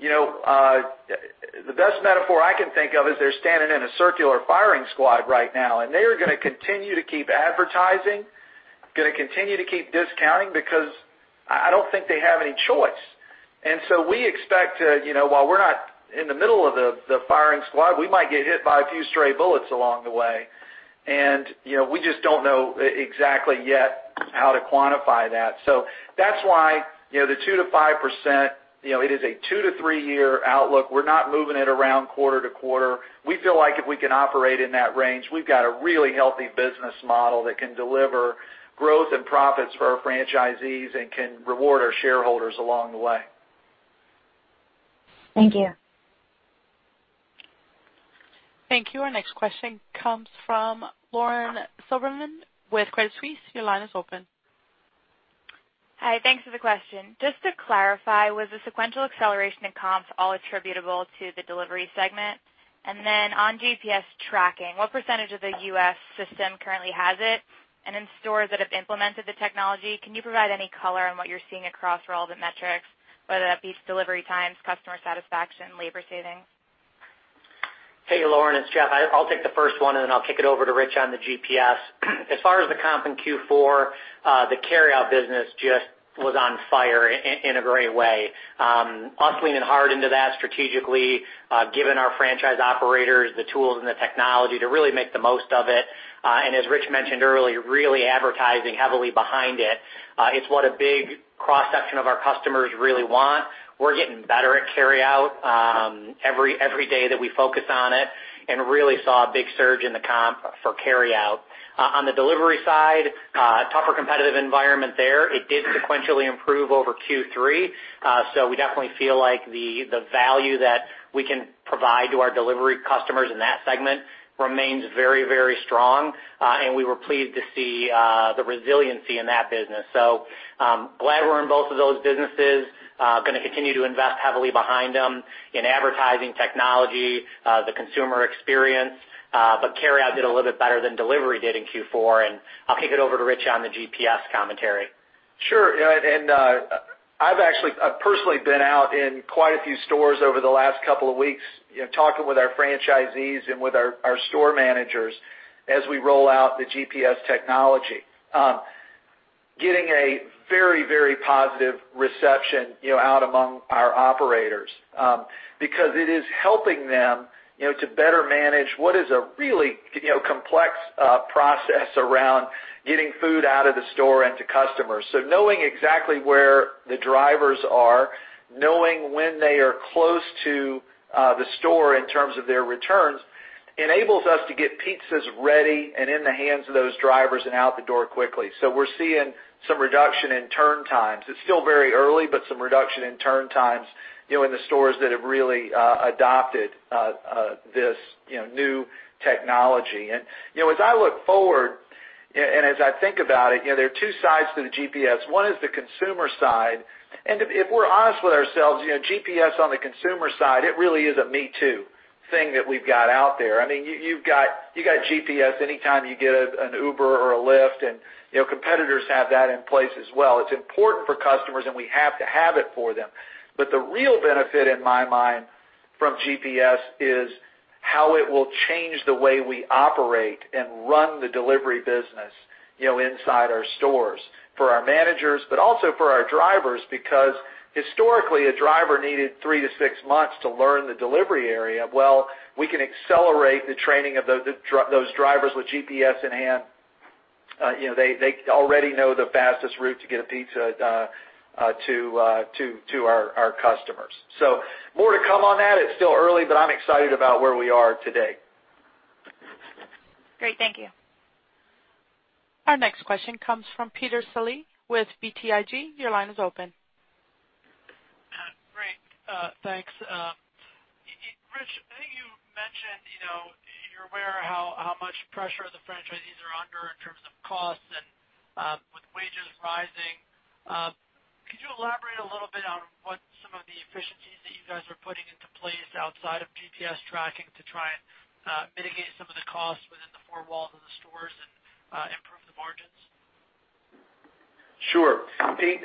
The best metaphor I can think of is they're standing in a circular firing squad right now, and they are going to continue to keep advertising, going to continue to keep discounting, because I don't think they have any choice. We expect, while we're not in the middle of the firing squad, we might get hit by a few stray bullets along the way. We just don't know exactly yet how to quantify that. That's why, the 2%-5%, it is a two to three year outlook. We're not moving it around quarter to quarter. We feel like if we can operate in that range, we've got a really healthy business model that can deliver growth and profits for our franchisees and can reward our shareholders along the way. Thank you. Thank you. Our next question comes from Lauren Silberman with Credit Suisse. Your line is open. Hi. Thanks for the question. Just to clarify, was the sequential acceleration in comps all attributable to the delivery segment? On GPS tracking, what percentage of the U.S. system currently has it? In stores that have implemented the technology, can you provide any color on what you're seeing across for all the metrics, whether that be delivery times, customer satisfaction, labor savings? Hey, Lauren, it's Jeff. I'll take the first one, and then I'll kick it over to Ritch on the GPS. As far as the comp in Q4, the carryout business just was on fire in a great way. Us leaning hard into that strategically, given our franchise operators the tools and the technology to really make the most of it. As Ritch mentioned earlier, really advertising heavily behind it. It's what a big cross-section of our customers really want. We're getting better at carryout every day that we focus on it and really saw a big surge in the comp for carryout. On the delivery side, a tougher competitive environment there. It did sequentially improve over Q3. We definitely feel like the value that we can provide to our delivery customers in that segment remains very, very strong. We were pleased to see the resiliency in that business. Glad we're in both of those businesses. Going to continue to invest heavily behind them in advertising technology, the consumer experience. Carryout did a little bit better than delivery did in Q4, and I'll kick it over to Ritch on the GPS commentary. Sure. I've personally been out in quite a few stores over the last couple of weeks, talking with our franchisees and with our store managers as we roll out the GPS technology. Getting a very, very positive reception out among our operators, because it is helping them to better manage what is a really complex process around getting food out of the store and to customers. Knowing exactly where the drivers are, knowing when they are close to the store in terms of their returns, enables us to get pizzas ready and in the hands of those drivers and out the door quickly. We're seeing some reduction in turn times. It's still very early, but some reduction in turn times in the stores that have really adopted this new technology. As I look forward and as I think about it, there are two sides to the GPS. One is the consumer side, and if we're honest with ourselves, GPS on the consumer side, it really is a me-too thing that we've got out there. You got GPS anytime you get an Uber or a Lyft, and competitors have that in place as well. It's important for customers, and we have to have it for them. The real benefit in my mind from GPS is how it will change the way we operate and run the delivery business inside our stores for our managers, but also for our drivers, because historically, a driver needed three to six months to learn the delivery area. Well, we can accelerate the training of those drivers with GPS in hand. They already know the fastest route to get a pizza to our customers. More to come on that. It's still early, but I'm excited about where we are today. Great. Thank you. Our next question comes from Peter Saleh with BTIG. Your line is open. Great. Thanks. Ritch, I think you mentioned, you are aware how much pressure the franchisees are under in terms of costs and with wages rising. Could you elaborate a little bit on what some of the efficiencies that you guys are putting into place outside of GPS tracking to try and mitigate some of the costs within the four walls of the stores and improve the margins? Sure, Pete.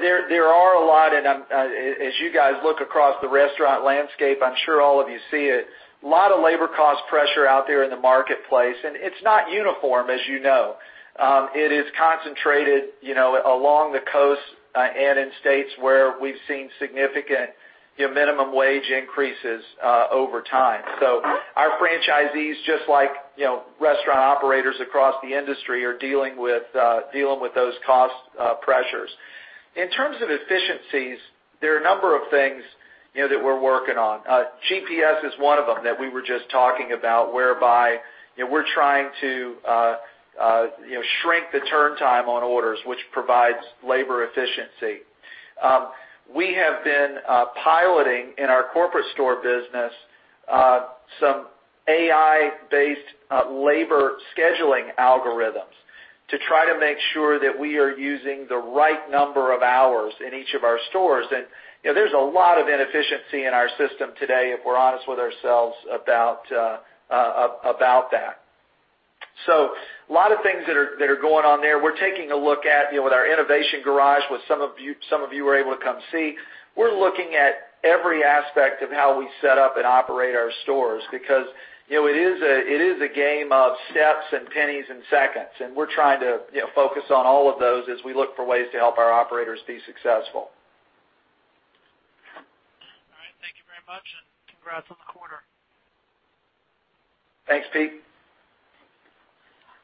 There are a lot, and as you guys look across the restaurant landscape, I'm sure all of you see it. A lot of labor cost pressure out there in the marketplace, and it's not uniform, as you know. It is concentrated along the coast and in states where we've seen significant minimum wage increases over time. Our franchisees, just like restaurant operators across the industry, are dealing with those cost pressures. In terms of efficiencies, there are a number of things that we're working on. GPS is one of them that we were just talking about, whereby we're trying to shrink the turn time on orders, which provides labor efficiency. We have been piloting in our corporate store business some AI-based labor scheduling algorithms to try to make sure that we are using the right number of hours in each of our stores. There's a lot of inefficiency in our system today, if we're honest with ourselves about that. A lot of things that are going on there. We're taking a look at, with our Domino's Innovation Garage, what some of you were able to come see. We're looking at every aspect of how we set up and operate our stores, because it is a game of steps and pennies and seconds, and we're trying to focus on all of those as we look for ways to help our operators be successful. All right. Thank you very much, and congrats on the quarter. Thanks, Pete.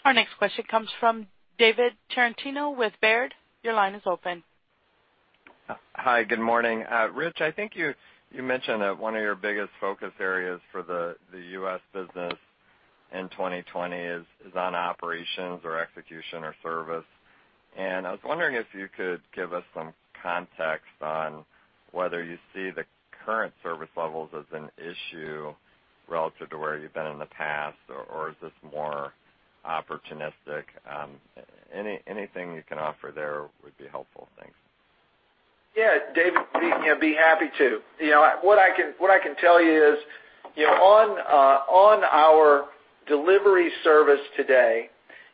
Our next question comes from David Tarantino with Baird. Your line is open. Hi. Good morning. Ritch, I think you mentioned that one of your biggest focus areas for the U.S. business in 2020 is on operations or execution or service. I was wondering if you could give us some context on whether you see the current service levels as an issue relative to where you've been in the past, or is this more opportunistic? Anything you can offer there would be helpful. Thanks. Yeah. David, be happy to. What I can tell you is on our delivery service today,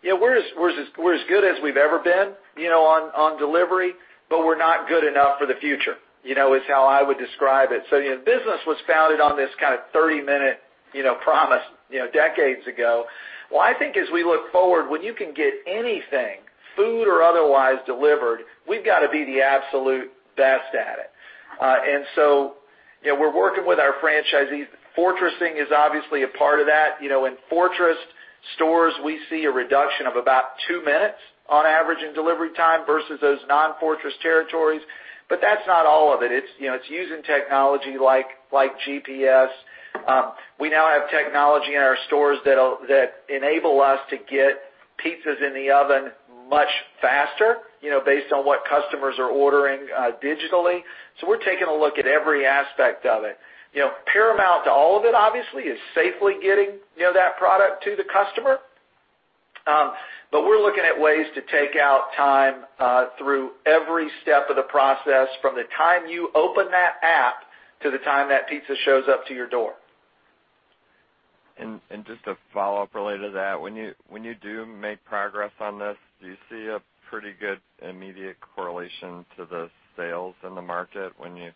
we're as good as we've ever been on delivery, but we're not good enough for the future, is how I would describe it. The business was founded on this kind of 30-minute promise decades ago. Well, I think as we look forward, when you can get anything, food or otherwise, delivered, we've got to be the absolute best at it. We're working with our franchisees. Fortressing is obviously a part of that. In fortressing stores, we see a reduction of about two minutes on average in delivery time versus those non-fortressing territories, but that's not all of it. It's using technology like GPS. We now have technology in our stores that enable us to get pizzas in the oven much faster based on what customers are ordering digitally. We're taking a look at every aspect of it. Paramount to all of it, obviously, is safely getting that product to the customer. We're looking at ways to take out time through every step of the process, from the time you open that app to the time that pizza shows up to your door. Just a follow-up related to that. When you do make progress on this, do you see a pretty good immediate correlation to the sales in the market when you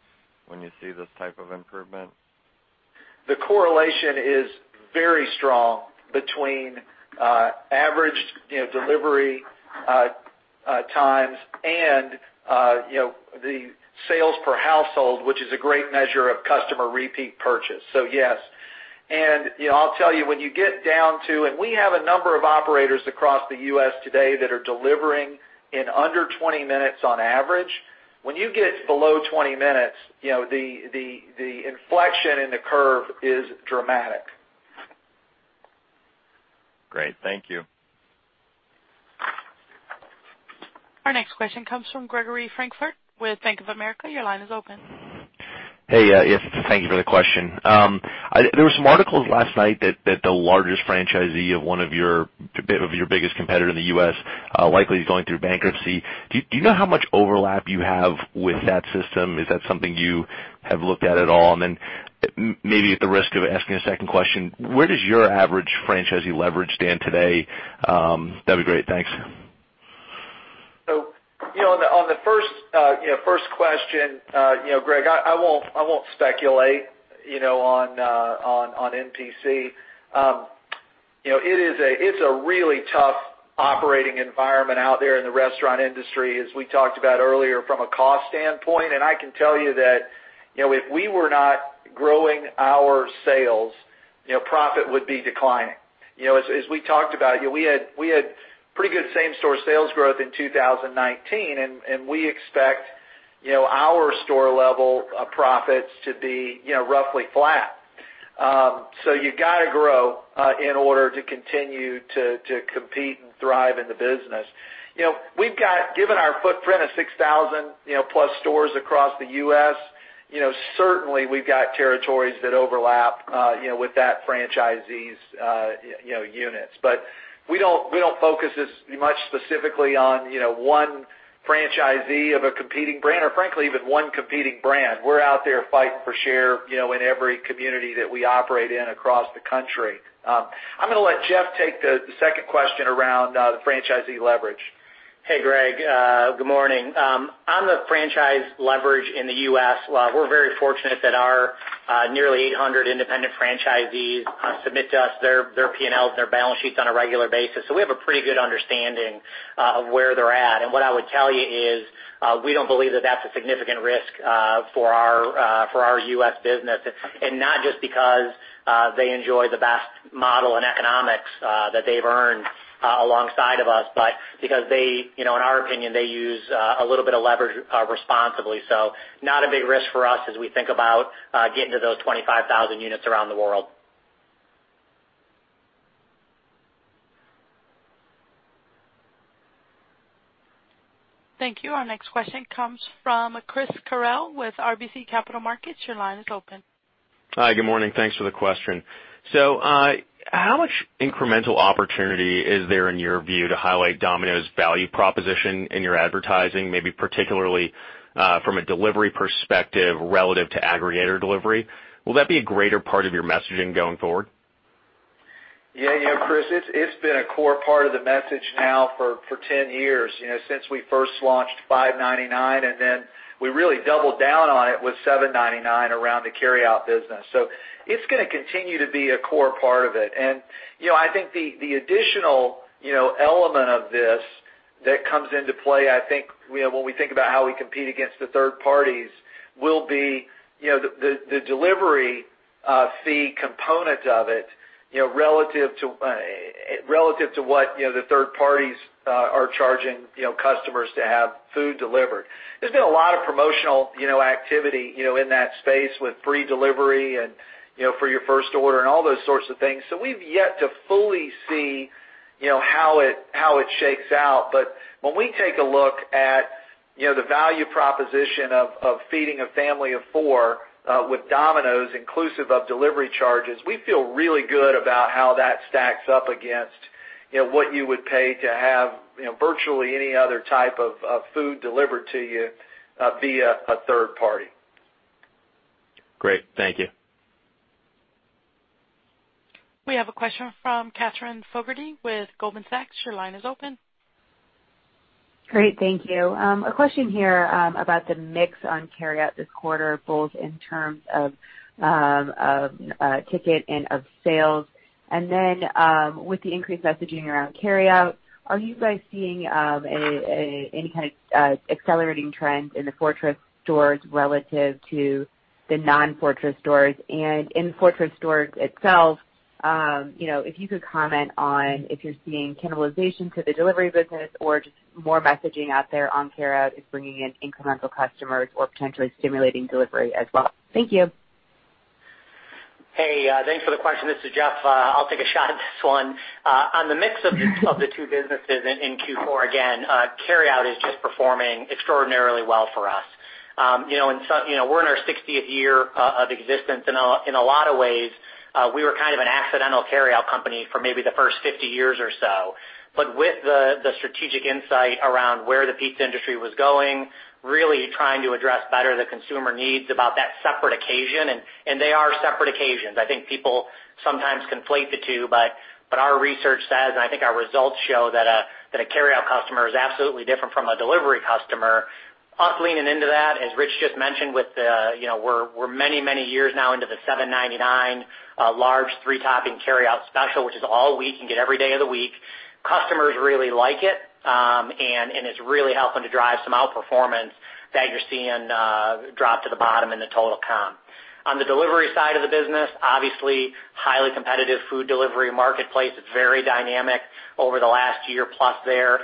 see this type of improvement? The correlation is very strong between average delivery times and the sales per household, which is a great measure of customer repeat purchase. Yes. I'll tell you, we have a number of operators across the U.S. today that are delivering in under 20 minutes on average. When you get below 20 minutes, the inflection in the curve is dramatic. Great. Thank you. Our next question comes from Gregory Francfort with Bank of America. Your line is open. Hey. Yes, thank you for the question. There were some articles last night that the largest franchisee of one of your biggest competitor in the U.S. likely is going through bankruptcy. Do you know how much overlap you have with that system? Is that something you have looked at at all? Maybe at the risk of asking a second question, where does your average franchisee leverage stand today? That'd be great. Thanks. On the first question, Greg, I won't speculate on NPC. It's a really tough operating environment out there in the restaurant industry, as we talked about earlier, from a cost standpoint, and I can tell you that if we were not growing our sales, profit would be declining. As we talked about, we had pretty good same-store sales growth in 2019, and we expect our store level of profits to be roughly flat. You got to grow in order to continue to compete and thrive in the business. Given our footprint of 6,000+ stores across the U.S., certainly we've got territories that overlap with that franchisee's units. We don't focus as much specifically on one franchisee of a competing brand, or frankly, even one competing brand. We're out there fighting for share in every community that we operate in across the country. I'm going to let Jeff take the second question around the franchisee leverage. Hey, Greg. Good morning. On the franchise leverage in the U.S., we're very fortunate that our nearly 800 independent franchisees submit to us their P&Ls and their balance sheets on a regular basis, so we have a pretty good understanding of where they're at. What I would tell you is we don't believe that that's a significant risk for our U.S. business, and not just because they enjoy the best model and economics that they've earned alongside of us, but because they, in our opinion, they use a little bit of leverage responsibly. Not a big risk for us as we think about getting to those 25,000 units around the world. Thank you. Our next question comes from Chris Carril with RBC Capital Markets. Your line is open. Hi. Good morning. Thanks for the question. How much incremental opportunity is there, in your view, to highlight Domino's value proposition in your advertising, maybe particularly from a delivery perspective relative to aggregator delivery? Will that be a greater part of your messaging going forward? Chris, it's been a core part of the message now for 10 years, since we first launched $5.99, and then we really doubled down on it with $7.99 around the carryout business. It's going to continue to be a core part of it. I think the additional element of this that comes into play, I think when we think about how we compete against the third parties, will be the delivery fee component of it relative to what the third parties are charging customers to have food delivered. There's been a lot of promotional activity in that space with free delivery and for your first order and all those sorts of things. We've yet to fully see how it shakes out. When we take a look at the value proposition of feeding a family of four with Domino's, inclusive of delivery charges, we feel really good about how that stacks up against what you would pay to have virtually any other type of food delivered to you via a third party. Great. Thank you. We have a question from Katherine Fogertey with Goldman Sachs. Your line is open. Great. Thank you. A question here about the mix on carryout this quarter, both in terms of ticket and of sales. With the increased messaging around carryout, are you guys seeing any kind of accelerating trend in the fortressing stores relative to the non-fortressing stores? In fortressing stores itself, if you could comment on if you're seeing cannibalization to the delivery business or just more messaging out there on carryout is bringing in incremental customers or potentially stimulating delivery as well. Thank you. Hey, thanks for the question. This is Jeff. I'll take a shot at this one. On the mix of the two businesses in Q4, again, carryout is just performing extraordinarily well for us. We're in our 60th year of existence. In a lot of ways, we were kind of an accidental carryout company for maybe the first 50 years or so. With the strategic insight around where the pizza industry was going, really trying to address better the consumer needs about that separate occasion. They are separate occasions. I think people sometimes conflate the two, but our research says, and I think our results show that a carryout customer is absolutely different from a delivery customer. Us leaning into that, as Rich just mentioned, we're many years now into the $7.99 large three-topping carryout special, which is all week. You can get it every day of the week. Customers really like it, and it's really helping to drive some outperformance that you're seeing drop to the bottom in the total comp. On the delivery side of the business, obviously, highly competitive food delivery marketplace. It's very dynamic over the last year plus there.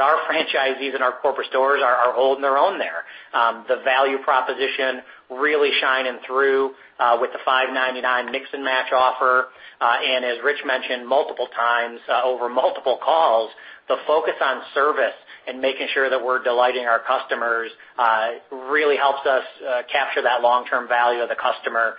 Our franchisees and our corporate stores are holding their own there. The value proposition really shining through with the $5.99 mix and match offer. As Ritch mentioned multiple times over multiple calls, the focus on service and making sure that we're delighting our customers really helps us capture that long-term value of the customer.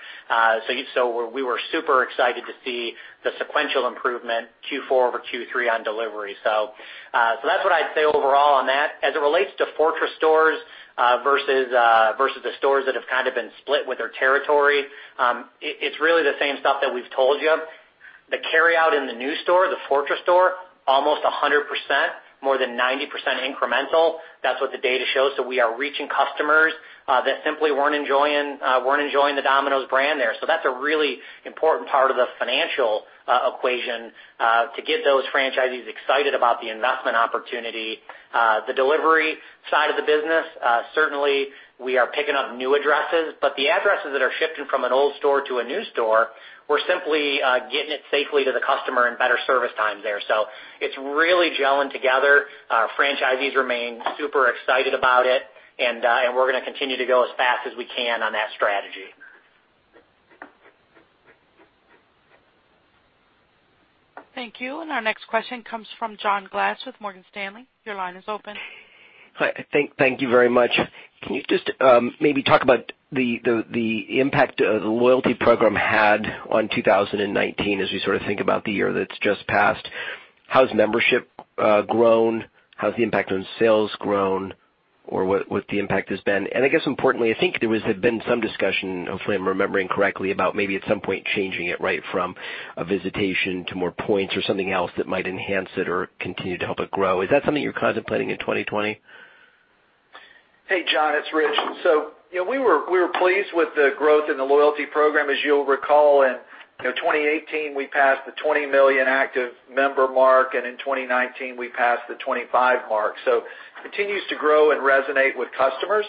We were super excited to see the sequential improvement Q4 over Q3 on delivery. That's what I'd say overall on that. As it relates to fortressing stores versus the stores that have kind of been split with their territory, it's really the same stuff that we've told you. The carryout in the new store, the fortressing store, almost 100%, more than 90% incremental. That's what the data shows. We are reaching customers that simply weren't enjoying the Domino's brand there. That's a really important part of the financial equation to get those franchisees excited about the investment opportunity. The delivery side of the business, certainly we are picking up new addresses, but the addresses that are shifting from an old store to a new store, we're simply getting it safely to the customer in better service times there. It's really gelling together. Our franchisees remain super excited about it, we're going to continue to go as fast as we can on that strategy. Thank you. Our next question comes from John Glass with Morgan Stanley. Your line is open. Hi. Thank you very much. Can you just maybe talk about the impact the loyalty program had on 2019 as we sort of think about the year that's just passed? How's membership grown? How's the impact on sales grown, or what the impact has been? I guess importantly, I think there has been some discussion, hopefully I'm remembering correctly, about maybe at some point changing it right from a visitation to more points or something else that might enhance it or continue to help it grow. Is that something you're contemplating in 2020? Hey, John, it's Ritch. We were pleased with the growth in the loyalty program. As you'll recall, in 2018, we passed the 20 million active member mark, and in 2019, we passed the 25 mark. Continues to grow and resonate with customers.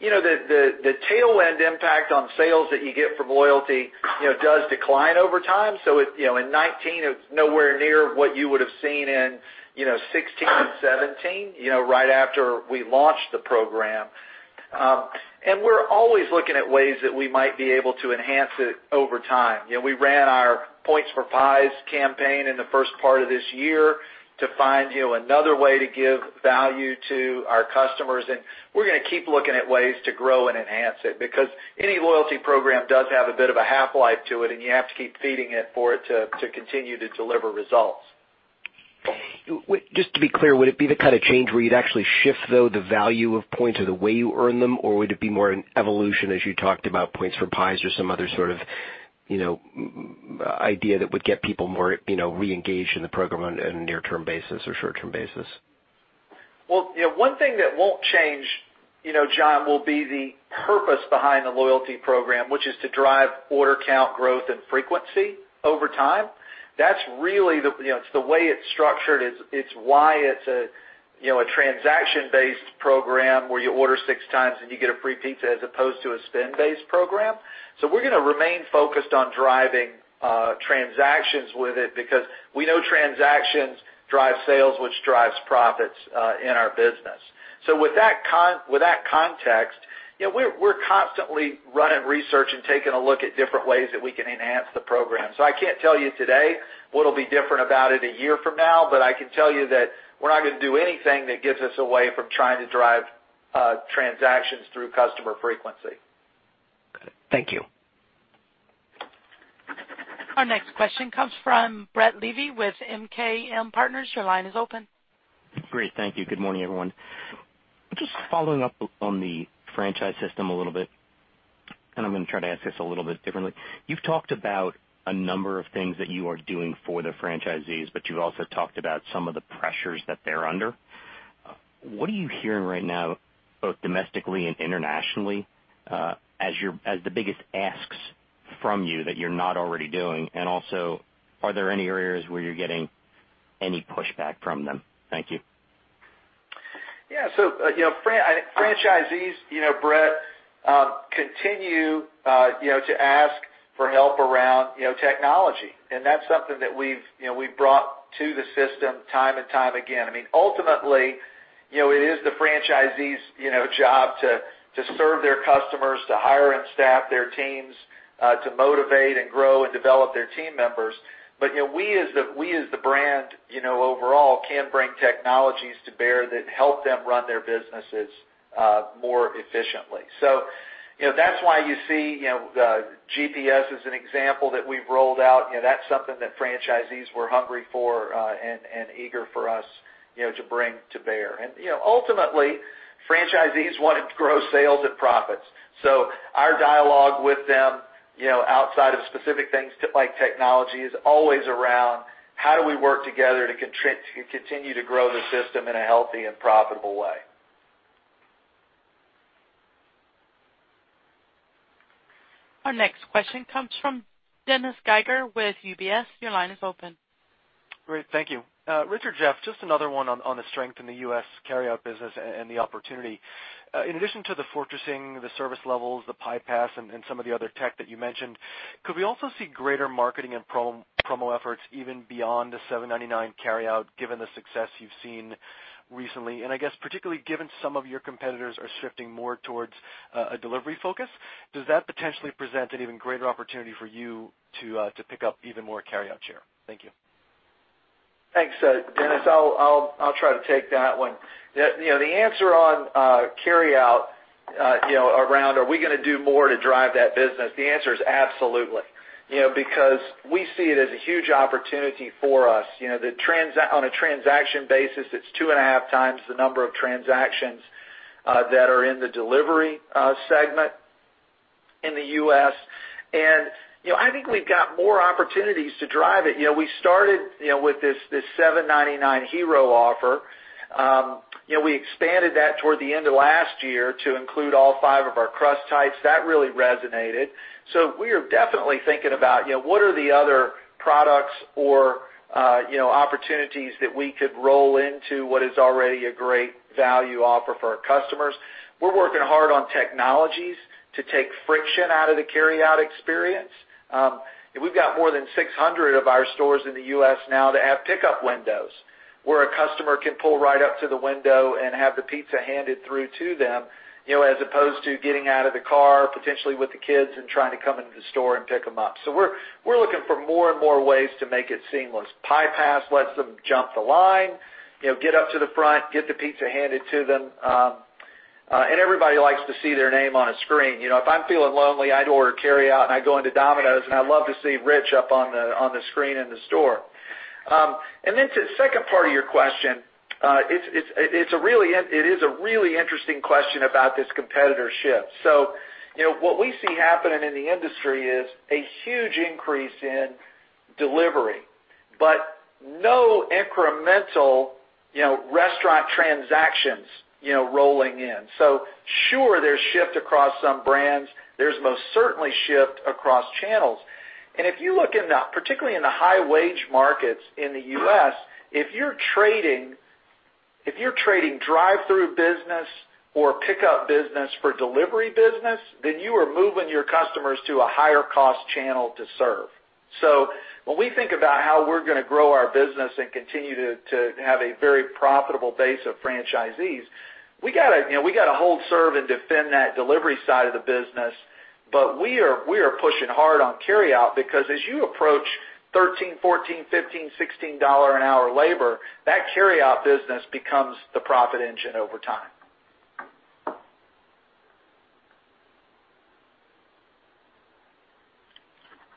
The tailwind impact on sales that you get from loyalty does decline over time. In 2019, it was nowhere near what you would have seen in 2016 and 2017, right after we launched the program. We're always looking at ways that we might be able to enhance it over time. We ran our Points for Pies campaign in the first part of this year to find another way to give value to our customers. We're going to keep looking at ways to grow and enhance it. Any loyalty program does have a bit of a half-life to it, and you have to keep feeding it for it to continue to deliver results. Just to be clear, would it be the kind of change where you'd actually shift, though, the value of points or the way you earn them, or would it be more an evolution as you talked about Points for Pies or some other sort of idea that would get people more reengaged in the program on a near-term basis or short-term basis? Well, one thing that won't change, John, will be the purpose behind the loyalty program, which is to drive order count growth and frequency over time. It's the way it's structured. It's why it's a transaction-based program where you order 6x, and you get a free pizza as opposed to a spend-based program. We're going to remain focused on driving transactions with it because we know transactions drive sales, which drives profits in our business. With that context, we're constantly running research and taking a look at different ways that we can enhance the program. I can't tell you today what'll be different about it a year from now, but I can tell you that we're not going to do anything that gets us away from trying to drive transactions through customer frequency. Got it. Thank you. Our next question comes from Brett Levy with MKM Partners. Your line is open. Great. Thank you. Good morning, everyone. Just following up on the franchise system a little bit. I'm going to try to ask this a little bit differently. You've talked about a number of things that you are doing for the franchisees. You've also talked about some of the pressures that they're under. What are you hearing right now, both domestically and internationally, as the biggest asks from you that you're not already doing? Also, are there any areas where you're getting any pushback from them? Thank you. Yeah. Franchisees, Brett, continue to ask for help around technology, and that's something that we've brought to the system time and time again. Ultimately, it is the franchisee's job to serve their customers, to hire and staff their teams, to motivate and grow and develop their team members. We as the brand overall can bring technologies to bear that help them run their businesses more efficiently. That's why you see GPS as an example that we've rolled out. That's something that franchisees were hungry for and eager for us to bring to bear. Ultimately, franchisees want to grow sales and profits. Our dialogue with them, outside of specific things like technology, is always around how do we work together to continue to grow the system in a healthy and profitable way. Our next question comes from Dennis Geiger with UBS. Your line is open. Great. Thank you. Ritch, Jeff, just another one on the strength in the U.S. carryout business and the opportunity. In addition to the fortressing, the service levels, the Pie Pass, and some of the other tech that you mentioned, could we also see greater marketing and promo efforts even beyond the $7.99 carryout, given the success you've seen recently? I guess particularly given some of your competitors are shifting more towards a delivery focus, does that potentially present an even greater opportunity for you to pick up even more carryout share? Thank you. Thanks, Dennis. I'll try to take that one. The answer on carryout around are we going to do more to drive that business, the answer is absolutely. We see it as a huge opportunity for us. On a transaction basis, it's two and a half times the number of transactions that are in the delivery segment in the U.S., and I think we've got more opportunities to drive it. We started with this $7.99 Hero offer. We expanded that toward the end of last year to include all five of our crust types. That really resonated. We are definitely thinking about what are the other products or opportunities that we could roll into what is already a great value offer for our customers. We're working hard on technologies to take friction out of the carryout experience. We've got more than 600 of our stores in the U.S. now that have pickup windows where a customer can pull right up to the window and have the pizza handed through to them, as opposed to getting out of the car, potentially with the kids, and trying to come into the store and pick them up. We're looking for more and more ways to make it seamless. Pie Pass lets them jump the line, get up to the front, get the pizza handed to them. Everybody likes to see their name on a screen. If I'm feeling lonely, I'd order carryout, and I go into Domino's, and I love to see Ritch up on the screen in the store. To the second part of your question, it is a really interesting question about this competitor shift. What we see happening in the industry is a huge increase in delivery, but no incremental restaurant transactions rolling in. Sure, there's shift across some brands. There's most certainly shift across channels. If you look, particularly in the high-wage markets in the U.S., if you're trading drive-through business or pickup business for delivery business, then you are moving your customers to a higher cost channel to serve. When we think about how we're going to grow our business and continue to have a very profitable base of franchisees, we got to hold serve and defend that delivery side of the business. We are pushing hard on carryout because as you approach $13, $14, $15, $16 an hour labor, that carryout business becomes the profit engine over time.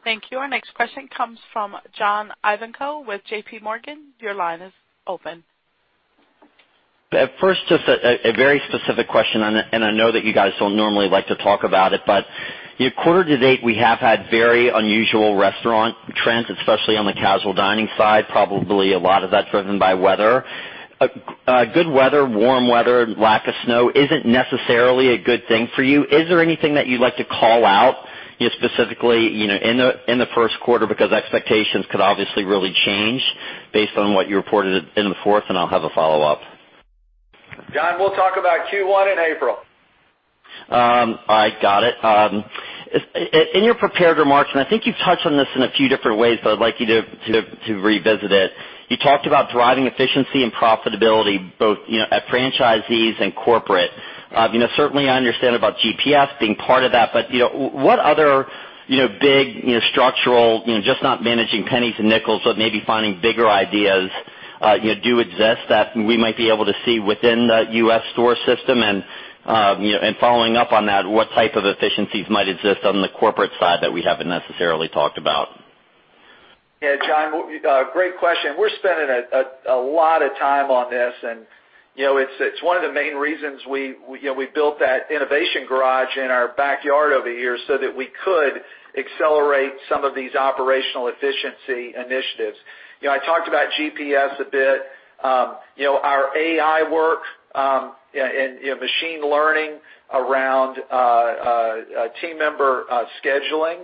Thank you. Our next question comes from John Ivankoe with J.P. Morgan. Your line is open. At first, just a very specific question, and I know that you guys don't normally like to talk about it, but quarter to date, we have had very unusual restaurant trends, especially on the casual dining side, probably a lot of that driven by weather. Good weather, warm weather, lack of snow isn't necessarily a good thing for you. Is there anything that you'd like to call out specifically in the first quarter? Expectations could obviously really change based on what you reported in the fourth. I'll have a follow-up. John, we'll talk about Q1 in April. I got it. In your prepared remarks, and I think you've touched on this in a few different ways, but I'd like you to revisit it. You talked about driving efficiency and profitability, both at franchisees and corporate. Certainly, I understand about GPS being part of that, but what other big structural, just not managing pennies and nickels, but maybe finding bigger ideas do exist that we might be able to see within the U.S. store system? Following up on that, what type of efficiencies might exist on the corporate side that we haven't necessarily talked about? Yeah, John, great question. We're spending a lot of time on this, and it's one of the main reasons we built that Innovation Garage in our backyard over here so that we could accelerate some of these operational efficiency initiatives. I talked about GPS a bit. Our AI work and machine learning around team member scheduling,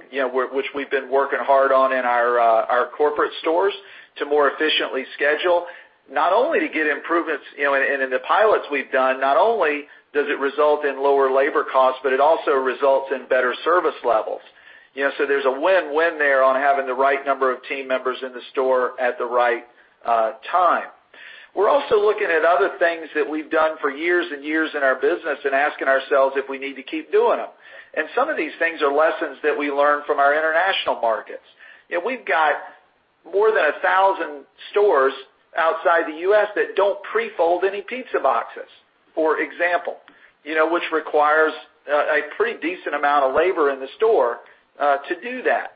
which we've been working hard on in our corporate stores to more efficiently schedule, not only to get improvements in the pilots we've done, not only does it result in lower labor costs, but it also results in better service levels. There's a win-win there on having the right number of team members in the store at the right time. We're also looking at other things that we've done for years and years in our business and asking ourselves if we need to keep doing them. Some of these things are lessons that we learn from our international markets. We've got more than 1,000 stores outside the U.S. that don't pre-fold any pizza boxes, for example, which requires a pretty decent amount of labor in the store to do that.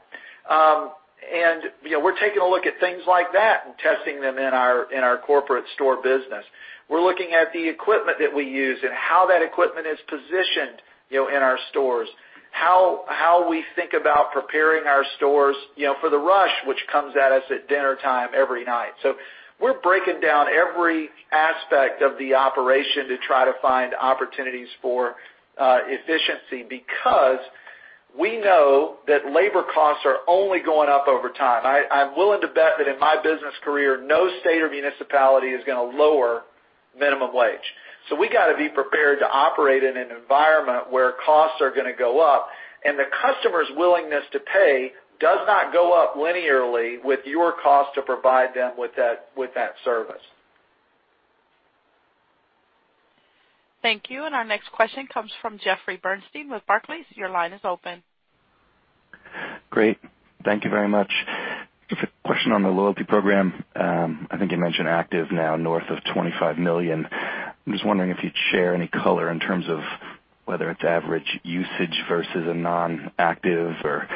We're taking a look at things like that and testing them in our corporate store business. We're looking at the equipment that we use and how that equipment is positioned in our stores, how we think about preparing our stores for the rush which comes at us at dinnertime every night. We're breaking down every aspect of the operation to try to find opportunities for efficiency because we know that labor costs are only going up over time. I'm willing to bet that in my business career, no state or municipality is going to lower minimum wage. We got to be prepared to operate in an environment where costs are going to go up and the customer's willingness to pay does not go up linearly with your cost to provide them with that service. Thank you. Our next question comes from Jeffrey Bernstein with Barclays. Your line is open. Great. Thank you very much. Just a question on the loyalty program. I think you mentioned active now north of 25 million. I'm just wondering if you'd share any color in terms of whether it's average usage versus a non-active, or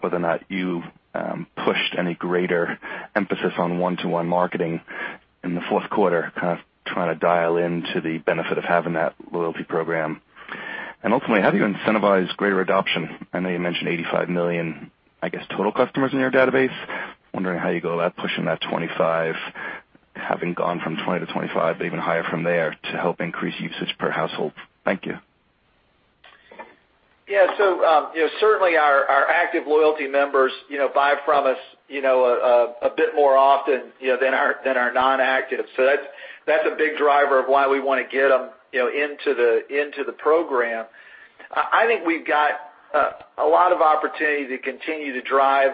whether or not you've pushed any greater emphasis on one-to-one marketing in the fourth quarter, kind of trying to dial into the benefit of having that loyalty program. Ultimately, how do you incentivize greater adoption? I know you mentioned 85 million, I guess, total customers in your database. Wondering how you go about pushing that 25, having gone from 20-25, but even higher from there to help increase usage per household? Thank you. Yeah. Certainly our active loyalty members buy from us a bit more often than our non-active. That's a big driver of why we want to get them into the program. I think we've got a lot of opportunity to continue to drive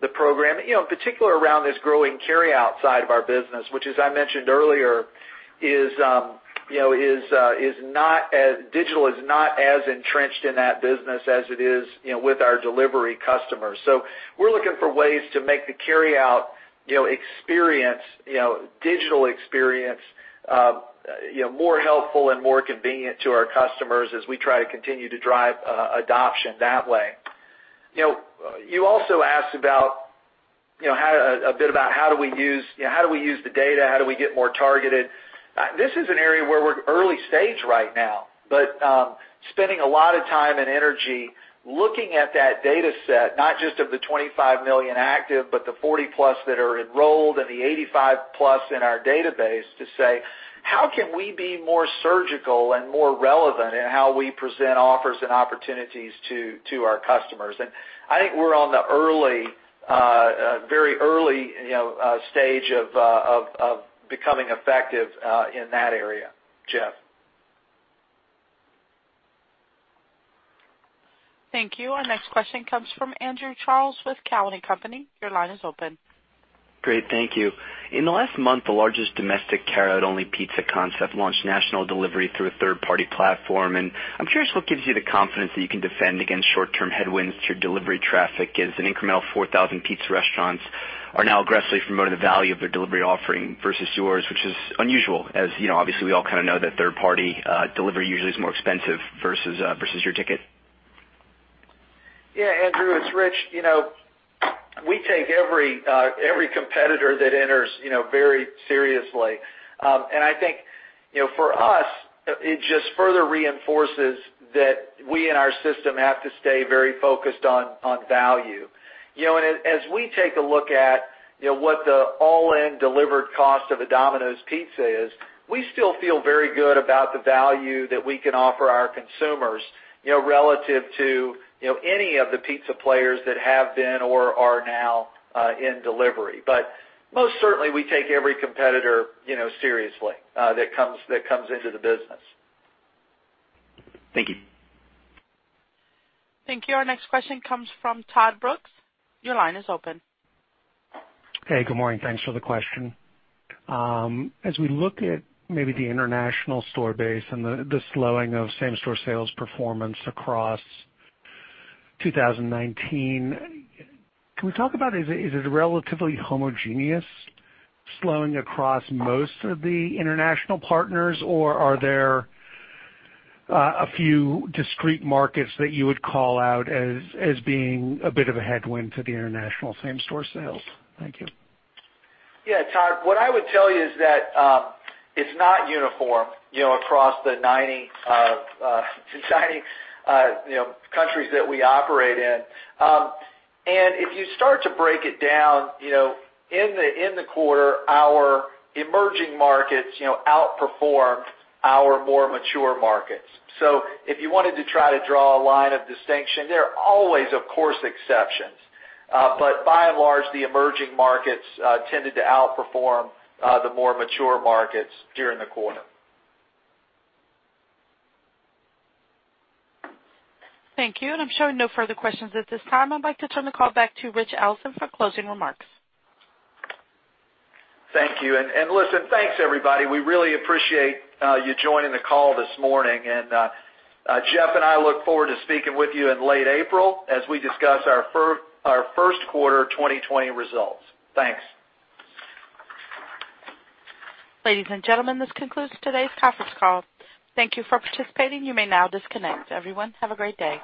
the program, in particular around this growing carryout side of our business, which as I mentioned earlier, digital is not as entrenched in that business as it is with our delivery customers. We're looking for ways to make the carryout digital experience more helpful and more convenient to our customers as we try to continue to drive adoption that way. You also asked a bit about how do we use the data, how do we get more targeted. This is an area where we're early stage right now, but spending a lot of time and energy looking at that data set, not just of the 25 million active, but the 40+ that are enrolled and the 85+ in our database to say, how can we be more surgical and more relevant in how we present offers and opportunities to our customers? I think we're on the very early stage of becoming effective in that area, Jeff. Thank you. Our next question comes from Andrew Charles with Cowen and Company. Your line is open. Great. Thank you. In the last month, the largest domestic carry-out only pizza concept launched national delivery through a third-party platform. I'm curious what gives you the confidence that you can defend against short-term headwinds to your delivery traffic as an incremental 4,000 pizza restaurants are now aggressively promoting the value of their delivery offering versus yours, which is unusual, as obviously we all kind of know that third-party delivery usually is more expensive versus your ticket. Yeah. Andrew, it's Ritch. We take every competitor that enters very seriously. I think, for us, it just further reinforces that we in our system have to stay very focused on value. As we take a look at what the all-in delivered cost of a Domino's Pizza is, we still feel very good about the value that we can offer our consumers relative to any of the pizza players that have been or are now in delivery. Most certainly we take every competitor seriously that comes into the business. Thank you. Thank you. Our next question comes from Todd Brooks. Your line is open. Hey, good morning. Thanks for the question. As we look at maybe the international store base and the slowing of same-store sales performance across 2019, can we talk about, is it a relatively homogeneous slowing across most of the international partners, or are there a few discrete markets that you would call out as being a bit of a headwind to the international same-store sales? Thank you. Yeah, Todd. What I would tell you is that it's not uniform across the 90 countries that we operate in. If you start to break it down, in the quarter, our emerging markets outperformed our more mature markets. If you wanted to try to draw a line of distinction, there are always, of course, exceptions. By and large, the emerging markets tended to outperform the more mature markets during the quarter. Thank you. I'm showing no further questions at this time. I'd like to turn the call back to Ritch Allison for closing remarks. Thank you. Listen, thanks everybody. We really appreciate you joining the call this morning. Jeff and I look forward to speaking with you in late April as we discuss our first quarter 2020 results. Thanks. Ladies and gentlemen, this concludes today's conference call. Thank you for participating. You may now disconnect. Everyone, have a great day.